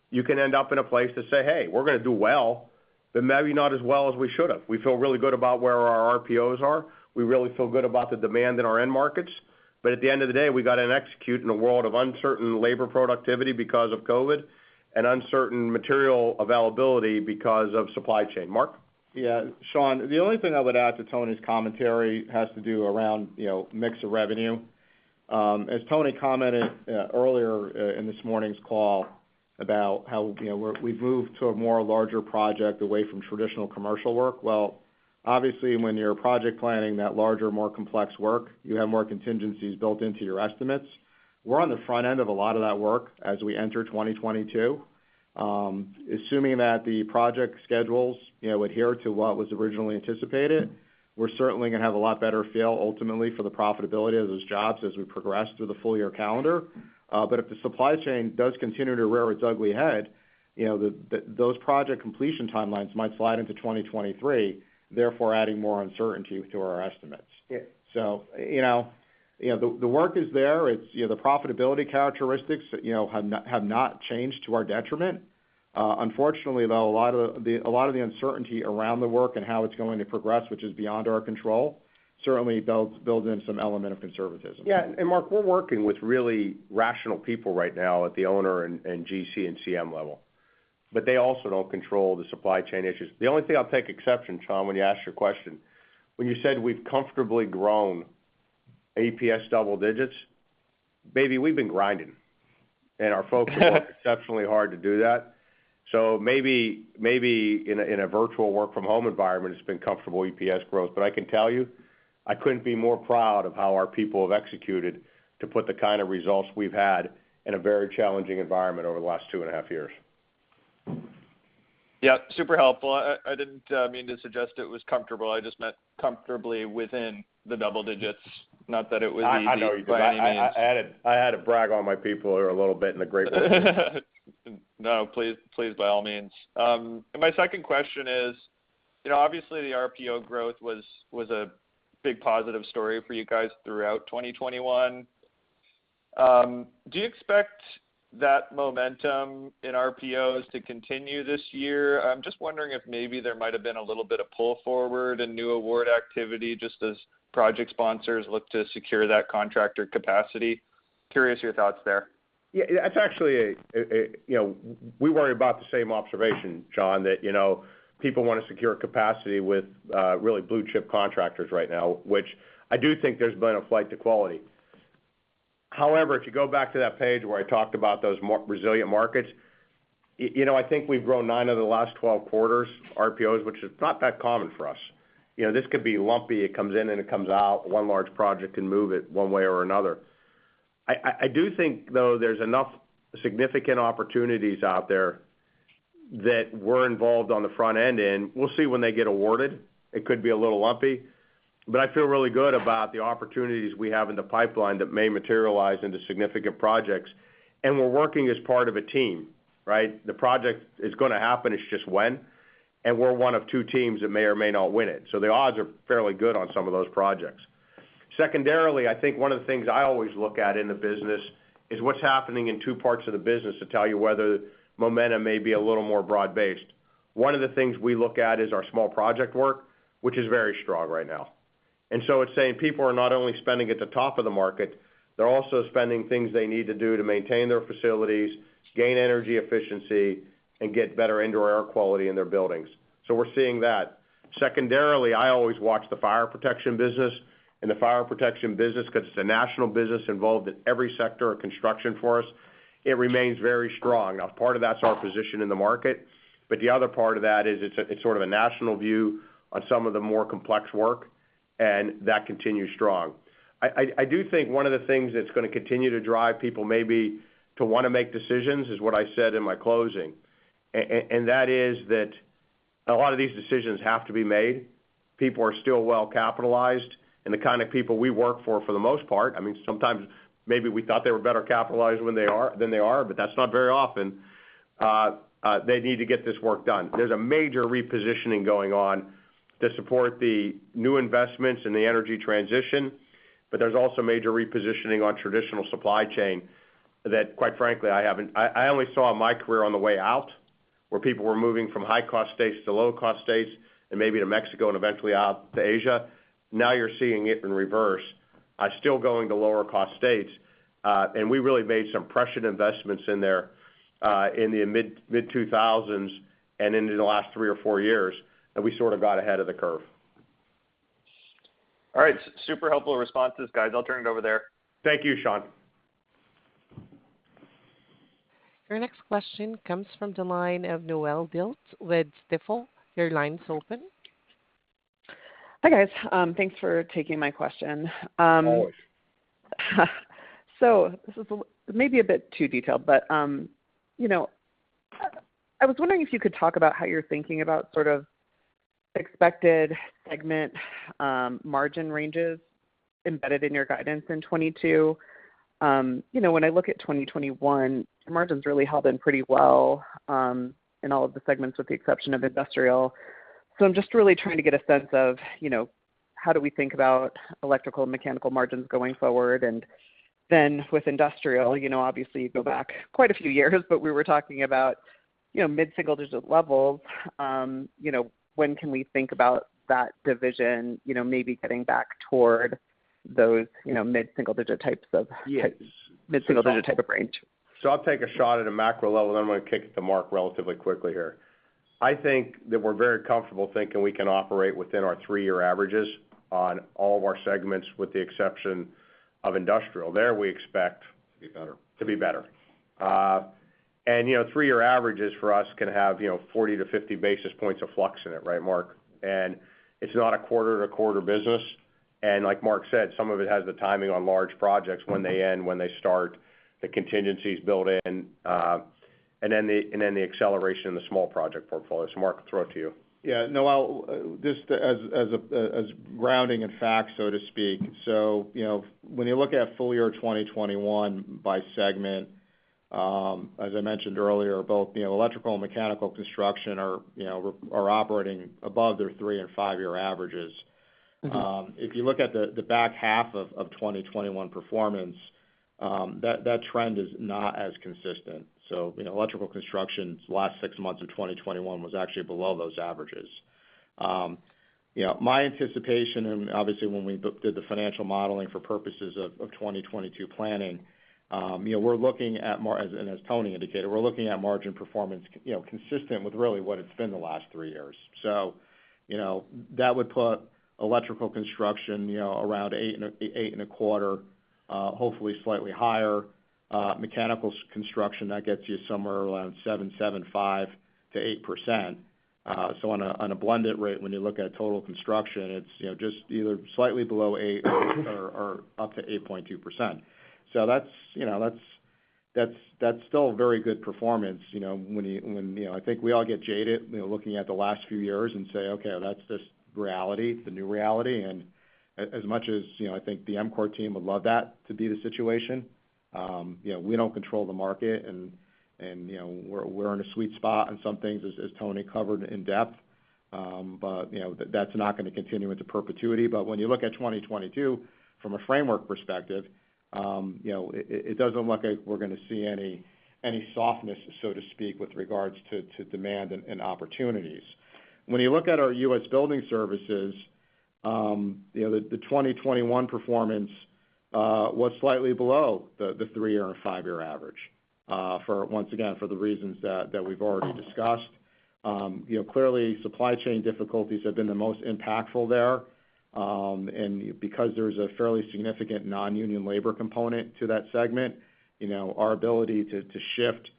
you can end up in a place to say, "Hey, we're gonna do well, but maybe not as well as we should have." We feel really good about where our RPOs are. We really feel good about the demand in our end markets. But at the end of the day, we gotta execute in a world of uncertain labor productivity because of COVID and uncertain material availability because of supply chain. Mark? Yeah. Sean, the only thing I would add to Tony's commentary has to do around, you know, mix of revenue. As Tony commented earlier in this morning's call about how, you know, we've moved to a more larger project away from traditional commercial work. Well, obviously, when you're project planning that larger, more complex work, you have more contingencies built into your estimates. We're on the front end of a lot of that work as we enter 2022. Assuming that the project schedules, you know, adhere to what was originally anticipated, we're certainly gonna have a lot better feel ultimately for the profitability of those jobs as we progress through the full year calendar. if the supply chain does continue to rear its ugly head, you know, those project completion timelines might slide into 2023, therefore adding more uncertainty to our estimates. Yeah. You know, the work is there. It's, you know, the profitability characteristics, you know, have not changed to our detriment. Unfortunately, though, a lot of the uncertainty around the work and how it's going to progress, which is beyond our control, certainly builds in some element of conservatism. Yeah. Mark, we're working with really rational people right now at the owner and GC and CM level, but they also don't control the supply chain issues. The only thing I'll take exception, Sean, when you asked your question, when you said we've comfortably grown EPS double digits, baby, we've been grinding. Our folks have worked exceptionally hard to do that. Maybe in a virtual work from home environment, it's been comfortable EPS growth. I can tell you, I couldn't be more proud of how our people have executed to put the kind of results we've had in a very challenging environment over the last 2.5 years. Yeah. Super helpful. I didn't mean to suggest it was comfortable. I just meant comfortably within the double digits, not that it was easy. I know you did. By any means. I had to brag on my people a little bit in the great way. No, please, by all means. My second question is, you know, obviously the RPO growth was a big positive story for you guys throughout 2021. Do you expect that momentum in RPOs to continue this year? I'm just wondering if maybe there might have been a little bit of pull forward and new award activity just as project sponsors look to secure that contractor capacity. Curious your thoughts there. Yeah, it's actually, you know, we worry about the same observation, Sean, that, you know, people wanna secure capacity with really blue chip contractors right now, which I do think there's been a flight to quality. However, if you go back to that page where I talked about those more resilient markets, you know, I think we've grown nine of the last 12 quarters RPOs, which is not that common for us. You know, this could be lumpy. It comes in and it comes out. One large project can move it one way or another. I do think, though, there's enough significant opportunities out there that we're involved on the front end in. We'll see when they get awarded. It could be a little lumpy. I feel really good about the opportunities we have in the pipeline that may materialize into significant projects. We're working as part of a team, right? The project is gonna happen. It's just when, and we're one of two teams that may or may not win it. The odds are fairly good on some of those projects. Secondarily, I think one of the things I always look at in the business is what's happening in two parts of the business to tell you whether momentum may be a little more broad-based. One of the things we look at is our small project work, which is very strong right now. It's saying people are not only spending at the top of the market, they're also spending things they need to do to maintain their facilities, gain energy efficiency, and get better indoor air quality in their buildings. We're seeing that. Secondarily, I always watch the fire protection business. The fire protection business, 'cause it's a national business involved in every sector of construction for us, it remains very strong. Now, part of that's our position in the market, but the other part of that is it's a, it's sort of a national view on some of the more complex work, and that continues strong. I do think one of the things that's gonna continue to drive people maybe to wanna make decisions is what I said in my closing, and that is that a lot of these decisions have to be made. People are still well capitalized, and the kind of people we work for the most part, I mean, sometimes maybe we thought they were better capitalized than they are, but that's not very often. They need to get this work done. There's a major repositioning going on to support the new investments in the energy transition, but there's also major repositioning in traditional supply chain that quite frankly, I only saw in my career on the way out, where people were moving from high-cost states to low-cost states and maybe to Mexico and eventually out to Asia. Now you're seeing it in reverse, still going to lower cost states. We really made some prescient investments in there, in the mid-2000s and into the last three or four years, and we sort of got ahead of the curve. All right. Super helpful responses, guys. I'll turn it over there. Thank you, Sean. Your next question comes from the line of Noelle Dilts with Stifel. Your line's open. Hi, guys. Thanks for taking my question. Always. This is maybe a bit too detailed, but, you know, I was wondering if you could talk about how you're thinking about sort of expected segment margin ranges embedded in your guidance in 2022. You know, when I look at 2021, margins really held in pretty well, in all of the segments with the exception of Industrial. I'm just really trying to get a sense of, you know, how do we think about Electrical and Mechanical margins going forward? And then with Industrial, you know, obviously, you go back quite a few years, but we were talking about, you know, mid-single digit levels. You know, when can we think about that division, you know, maybe getting back toward those, you know, mid-single digit types of Yes. Mid-single-digit type of range. I'll take a shot at a macro level, then I'm gonna kick it to Mark relatively quickly here. I think that we're very comfortable thinking we can operate within our three-year averages on all of our segments with the exception of industrial. There we expect To be better. To be better. You know, three-year averages for us can have, you know, 40-50 basis points of flux in it, right, Mark? It's not a quarter-to-quarter business. Like Mark said, some of it has the timing on large projects, when they end, when they start, the contingencies built in, and then the acceleration in the small project portfolio. Mark, throw it to you. Yeah, Noelle, just as grounding in fact, so to speak. You know, when you look at full year 2021 by segment, as I mentioned earlier, both, you know, electrical and mechanical construction are, you know, operating above their three and five-year averages. Mm-hmm. If you look at the back half of 2021 performance, that trend is not as consistent. You know, electrical construction's last six months of 2021 was actually below those averages. You know, my anticipation and obviously when we did the financial modeling for purposes of 2022 planning, you know, we're looking at margins, as and as Tony indicated, we're looking at margin performance, you know, consistent with really what it's been the last three years. You know, that would put electrical construction, you know, around 8.25%, hopefully slightly higher. Mechanical construction, that gets you somewhere around 7-7.5% to 8%. On a blended rate, when you look at total construction, it's, you know, just either slightly below 8% or up to 8.2%. That's, you know, that's still very good performance, you know, when you know, I think we all get jaded, you know, looking at the last few years and say, "Okay, that's just reality, the new reality." As much as, you know, I think the EMCOR team would love that to be the situation, you know, we don't control the market and you know, we're in a sweet spot on some things as Tony covered in depth. You know, that's not gonna continue into perpetuity. When you look at 2022 from a framework perspective, you know, it doesn't look like we're gonna see any softness, so to speak, with regards to demand and opportunities. When you look at our U.S. building services, you know, the 2021 performance was slightly below the three-year and five-year average, for once again, for the reasons that we've already discussed. You know, clearly supply chain difficulties have been the most impactful there. Because there's a fairly significant non-union labor component to that segment, you know, our ability to shift,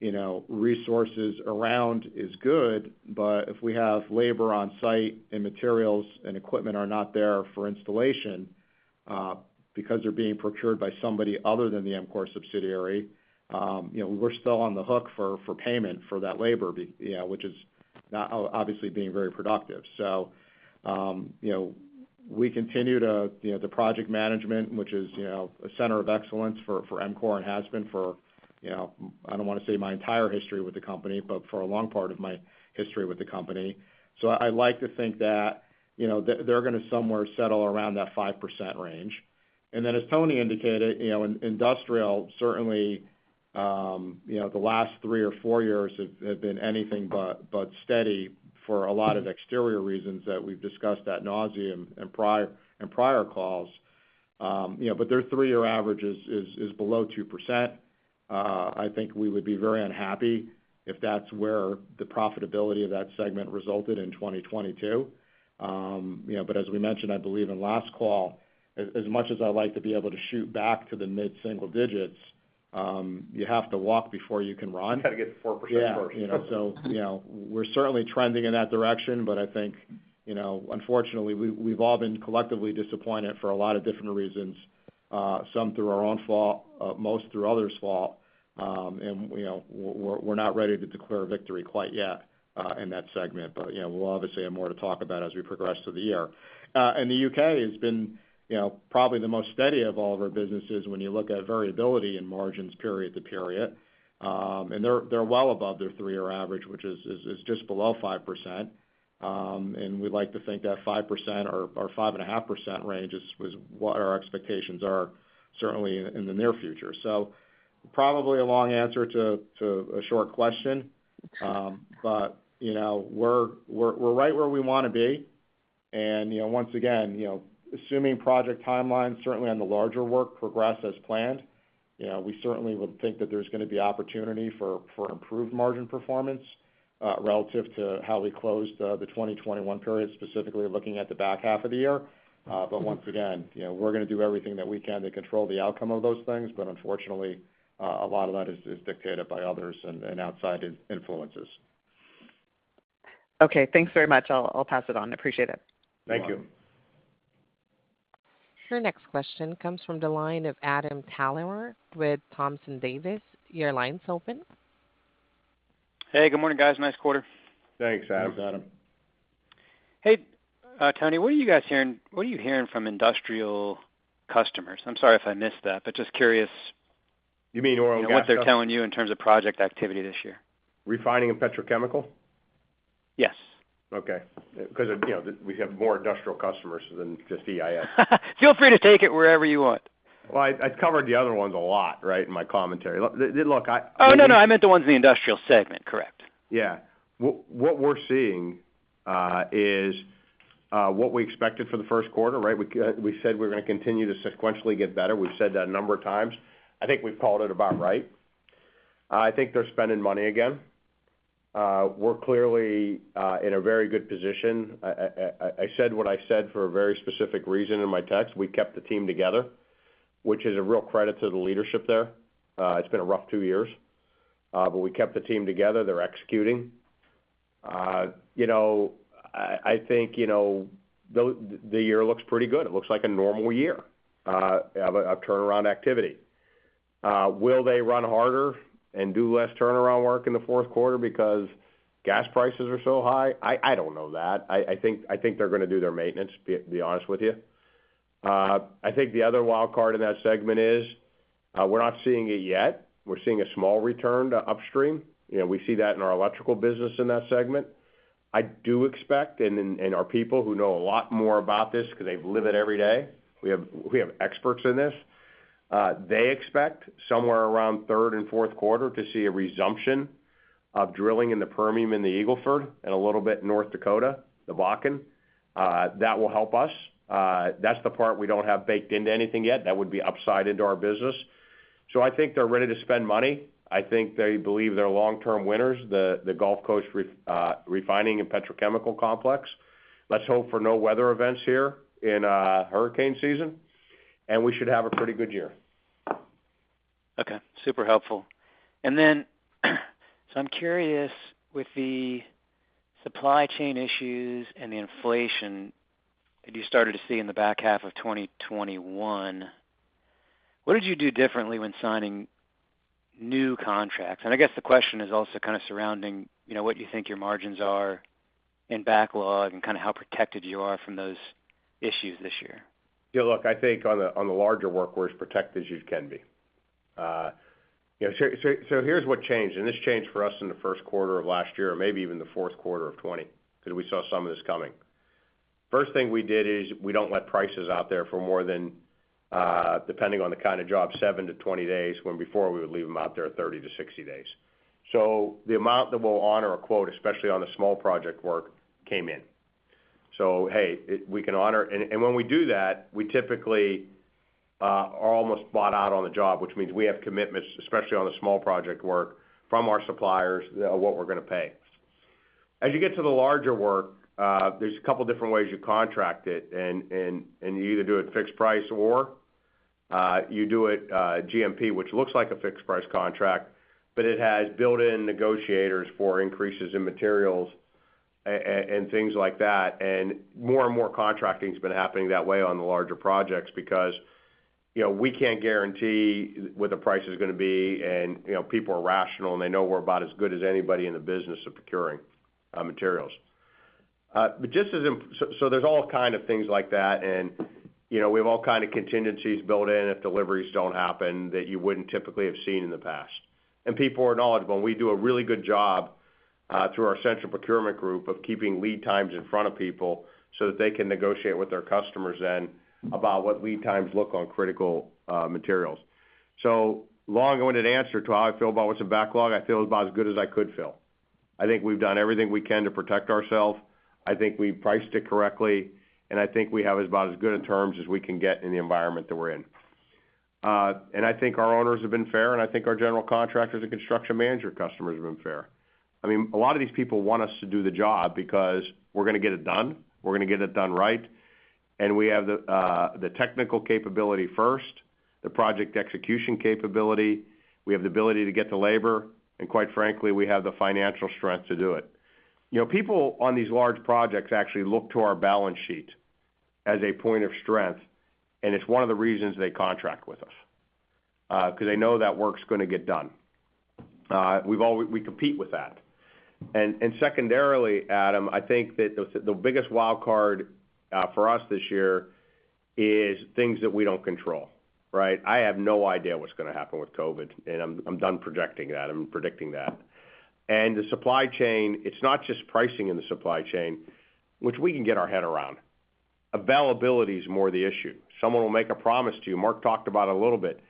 you know, resources around is good. But if we have labor on site and materials and equipment are not there for installation, because they're being procured by somebody other than the EMCOR subsidiary, you know, we're still on the hook for payment for that labor, you know, which is not obviously being very productive. you know, we continue to, you know, the project management, which is, you know, a center of excellence for EMCOR and has been for, you know, I don't wanna say my entire history with the company, but for a long part of my history with the company. I like to think that, you know, they're gonna somewhere settle around that 5% range. And then as Tony indicated, you know, in industrial certainly, you know, the last three or four years have been anything but steady for a lot of external reasons that we've discussed ad nauseam in prior calls. you know, but their three-year average is below 2%. I think we would be very unhappy if that's where the profitability of that segment resulted in 2022. You know, as we mentioned, I believe in last call, as much as I like to be able to shoot back to the mid-single digits, you have to walk before you can run. You gotta get to 4% first. Yeah. You know, so, you know, we're certainly trending in that direction, but I think, you know, unfortunately, we've all been collectively disappointed for a lot of different reasons. Some through our own fault, most through others' fault. You know, we're not ready to declare victory quite yet in that segment. You know, we'll obviously have more to talk about as we progress through the year. The U.K. has been, you know, probably the most steady of all of our businesses when you look at variability in margins period to period. They're well above their three-year average, which is just below 5%. We'd like to think that 5% or 5.5% range is what our expectations are certainly in the near future. Probably a long answer to a short question. You know, we're right where we wanna be. You know, once again, you know, assuming project timelines, certainly on the larger work progress as planned, you know, we certainly would think that there's gonna be opportunity for improved margin performance relative to how we closed the 2021 period, specifically looking at the back half of the year. Once again, you know, we're gonna do everything that we can to control the outcome of those things, but unfortunately, a lot of that is dictated by others and outside influences. Okay, thanks very much. I'll pass it on. Appreciate it. Thank you. Your next question comes from the line of Adam Thalhimer with Thompson Davis. Your line's open. Hey, good morning, guys. Nice quarter. Thanks, Adam. Hey, Tony, what are you hearing from industrial customers? I'm sorry if I missed that, but just curious. You mean oil and gas customers? You know, what they're telling you in terms of project activity this year. Refining and petrochemical? Yes. Okay. Because, you know, we have more industrial customers than just EIS. Feel free to take it wherever you want. Well, I covered the other ones a lot, right, in my commentary. Look, I Oh, no, I meant the ones in the industrial segment. Correct. Yeah. What we're seeing is what we expected for the first quarter, right? We said we're gonna continue to sequentially get better. We've said that a number of times. I think we've called it about right. I think they're spending money again. We're clearly in a very good position. I said what I said for a very specific reason in my text. We kept the team together, which is a real credit to the leadership there. It's been a rough two years, but we kept the team together. They're executing. You know, I think you know the year looks pretty good. It looks like a normal year of turnaround activity. Will they run harder and do less turnaround work in the fourth quarter because gas prices are so high? I don't know that. I think they're gonna do their maintenance, be honest with you. I think the other wild card in that segment is, we're not seeing it yet. We're seeing a small return to upstream. You know, we see that in our electrical business in that segment. I do expect, and our people who know a lot more about this 'cause they live it every day, we have experts in this, they expect somewhere around third and fourth quarter to see a resumption of drilling in the Permian and the Eagle Ford and a little bit North Dakota, the Bakken. That will help us. That's the part we don't have baked into anything yet. That would be upside into our business. I think they're ready to spend money. I think they believe they're long-term winners, the Gulf Coast refining and petrochemical complex. Let's hope for no weather events here in hurricane season, and we should have a pretty good year. Okay. Super helpful. I'm curious with the supply chain issues and the inflation that you started to see in the back half of 2021, what did you do differently when signing new contracts? I guess the question is also kinda surrounding, you know, what you think your margins are in backlog and kinda how protected you are from those issues this year. Yeah, look, I think on the larger work, we're as protected as you can be. You know, here's what changed, and this changed for us in the first quarter of last year or maybe even the fourth quarter of 2020 'cause we saw some of this coming. First thing we did is we don't let prices out there for more than, depending on the kind of job, 7-20 days, when before we would leave them out there 30-60 days. The amount that we'll honor a quote, especially on the small project work, came in. Hey, we can honor. When we do that, we typically are almost bought out on the job, which means we have commitments, especially on the small project work from our suppliers, what we're gonna pay. As you get to the larger work, there's a couple different ways you contract it and you either do it fixed price or you do it GMP, which looks like a fixed price contract, but it has built-in escalators for increases in materials and things like that. More and more contracting has been happening that way on the larger projects because, you know, we can't guarantee what the price is gonna be and, you know, people are rational, and they know we're about as good as anybody in the business of procuring materials. There's all kind of things like that and, you know, we have all kind of contingencies built in if deliveries don't happen that you wouldn't typically have seen in the past. People are knowledgeable, and we do a really good job through our central procurement group of keeping lead times in front of people so that they can negotiate with their customers then about what lead times look like on critical materials. Long-winded answer to how I feel about what's in backlog. I feel about as good as I could feel. I think we've done everything we can to protect ourselves. I think we've priced it correctly, and I think we have about as good in terms as we can get in the environment that we're in. I think our owners have been fair, and I think our general contractors and construction manager customers have been fair. I mean, a lot of these people want us to do the job because we're gonna get it done, we're gonna get it done right, and we have the technical capability first, the project execution capability, we have the ability to get the labor, and quite frankly, we have the financial strength to do it. You know, people on these large projects actually look to our balance sheet as a point of strength, and it's one of the reasons they contract with us, 'cause they know that work's gonna get done. We compete with that. Secondarily, Adam, I think that the biggest wild card for us this year is things that we don't control, right? I have no idea what's gonna happen with COVID, and I'm done projecting that and predicting that. The supply chain, it's not just pricing in the supply chain, which we can get our head around. Availability is more the issue. Someone will make a promise to you. Mark talked about it a little bit.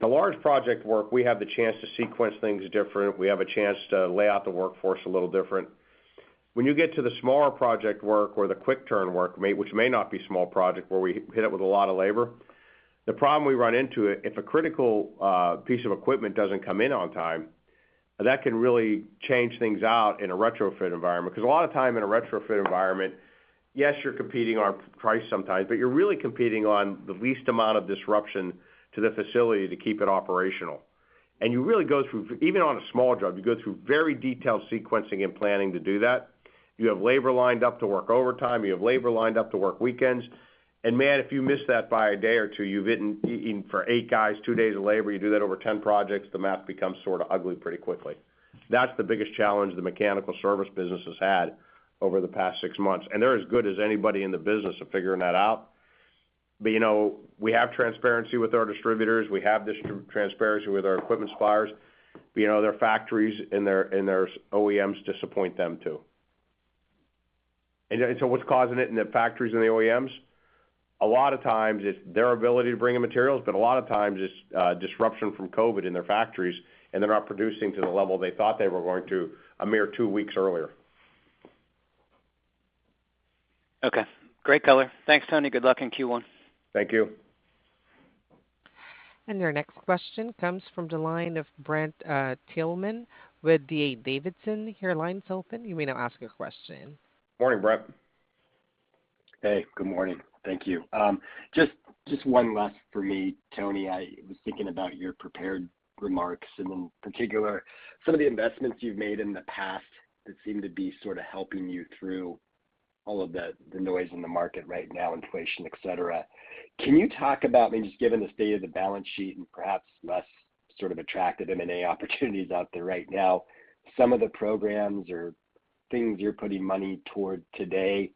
The large project work, we have the chance to sequence things different, we have a chance to lay out the workforce a little different. When you get to the smaller project work or the quick turn work which may not be small project where we hit it with a lot of labor, the problem we run into if a critical piece of equipment doesn't come in on time, that can really change things out in a retrofit environment. 'Cause a lot of time in a retrofit environment, yes, you're competing on price sometimes, but you're really competing on the least amount of disruption to the facility to keep it operational. You really go through. Even on a small job, you go through very detailed sequencing and planning to do that. You have labor lined up to work overtime, you have labor lined up to work weekends. Man, if you miss that by a day or two, you've eaten for 8 guys, 2 days of labor. You do that over 10 projects, the math becomes sort of ugly pretty quickly. That's the biggest challenge the mechanical service business has had over the past six months. They're as good as anybody in the business of figuring that out. You know, we have transparency with our distributors. We have this transparency with our equipment suppliers. You know, their factories and their OEMs disappoint them, too. What's causing it in the factories and the OEMs? A lot of times it's their ability to bring in materials, but a lot of times it's disruption from COVID in their factories, and they're not producing to the level they thought they were going to a mere two weeks earlier. Okay. Great color. Thanks, Tony. Good luck in Q1. Thank you. Your next question comes from the line of Brent Thielman with DA Davidson. Your line's open. You may now ask your question. Morning, Brent. Hey, good morning. Thank you. Just one last for me, Tony. I was thinking about your prepared remarks, and in particular, some of the investments you've made in the past that seem to be sort of helping you through all of the noise in the market right now, inflation, et cetera. Can you talk about, I mean, just given the state of the balance sheet and perhaps less sort of attractive M&A opportunities out there right now, some of the programs or things you're putting money toward today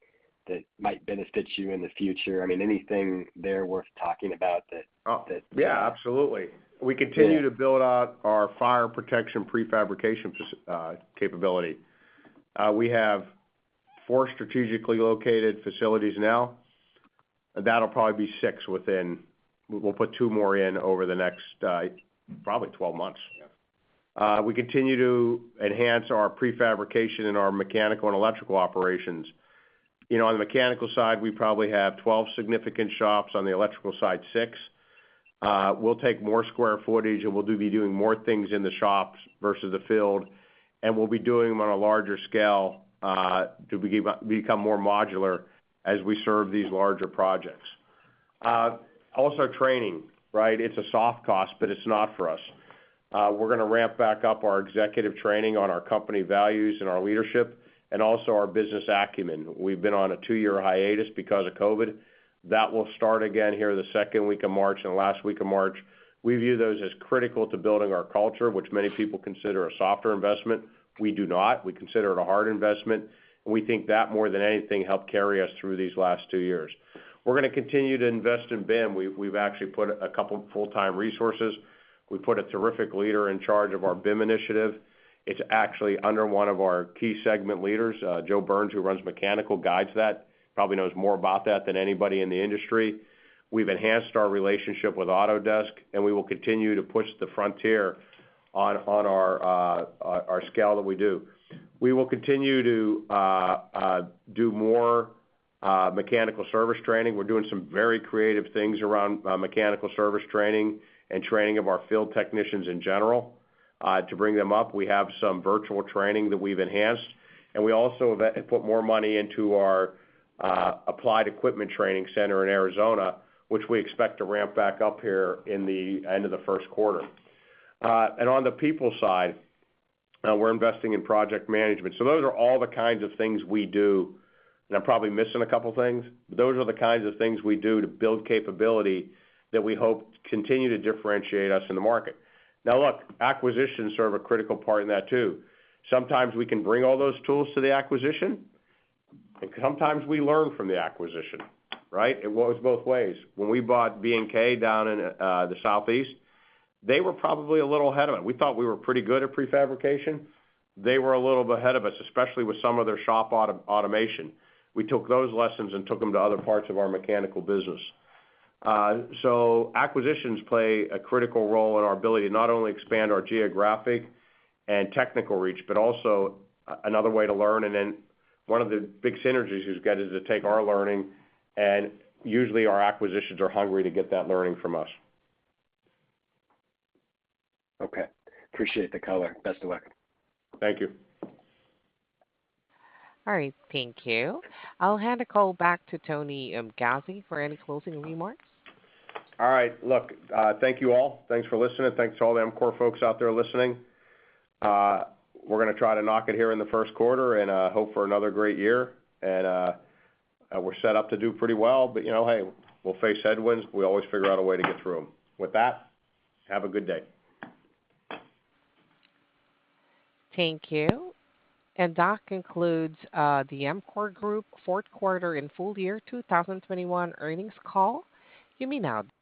that might benefit you in the future. I mean, anything there worth talking about that- Oh. That- Yeah, absolutely. Yeah. We continue to build out our fire protection prefabrication capability. We have four strategically located facilities now. That'll probably be six within. We'll put two more in over the next, probably 12 months. Yeah. We continue to enhance our prefabrication and our mechanical and electrical operations. You know, on the mechanical side, we probably have 12 significant shops, on the electrical side, six. We'll take more square footage, and we'll be doing more things in the shops versus the field, and we'll be doing them on a larger scale to become more modular as we serve these larger projects. Also training, right? It's a soft cost, but it's not for us. We're gonna ramp back up our executive training on our company values and our leadership and also our business acumen. We've been on a two-year hiatus because of COVID. That will start again in the second week of March and the last week of March. We view those as critical to building our culture, which many people consider a softer investment. We do not. We consider it a hard investment, and we think that, more than anything, helped carry us through these last two years. We're gonna continue to invest in BIM. We've actually put a couple full-time resources. We put a terrific leader in charge of our BIM initiative. It's actually under one of our key segment leaders, Joe Burns, who runs mechanical, guides that. Probably knows more about that than anybody in the industry. We've enhanced our relationship with Autodesk, and we will continue to push the frontier on our scale that we do. We will continue to do more mechanical service training. We're doing some very creative things around mechanical service training and training of our field technicians in general to bring them up. We have some virtual training that we've enhanced, and we also have put more money into our applied equipment training center in Arizona, which we expect to ramp back up here in the end of the first quarter. On the people side, we're investing in project management. Those are all the kinds of things we do, and I'm probably missing a couple things, but those are the kinds of things we do to build capability that we hope continue to differentiate us in the market. Now look, acquisitions serve a critical part in that too. Sometimes we can bring all those tools to the acquisition, and sometimes we learn from the acquisition, right? It goes both ways. When we bought B&K down in the Southeast, they were probably a little ahead of it. We thought we were pretty good at prefabrication. They were a little ahead of us, especially with some of their shop automation. We took those lessons and took them to other parts of our mechanical business. Acquisitions play a critical role in our ability to not only expand our geographic and technical reach, but also another way to learn. One of the big synergies you get is to take our learning, and usually our acquisitions are hungry to get that learning from us. Okay. Appreciate the color. Best of luck. Thank you. All right. Thank you. I'll hand the call back to Tony Guzzi for any closing remarks. All right. Look, thank you all. Thanks for listening. Thanks to all the EMCOR folks out there listening. We're gonna try to knock it here in the first quarter and, hope for another great year. We're set up to do pretty well, but you know, hey, we'll face headwinds. We always figure out a way to get through them. With that, have a good day. Thank you. That concludes the EMCOR Group fourth quarter and full year 2021 earnings call. You may now disconnect.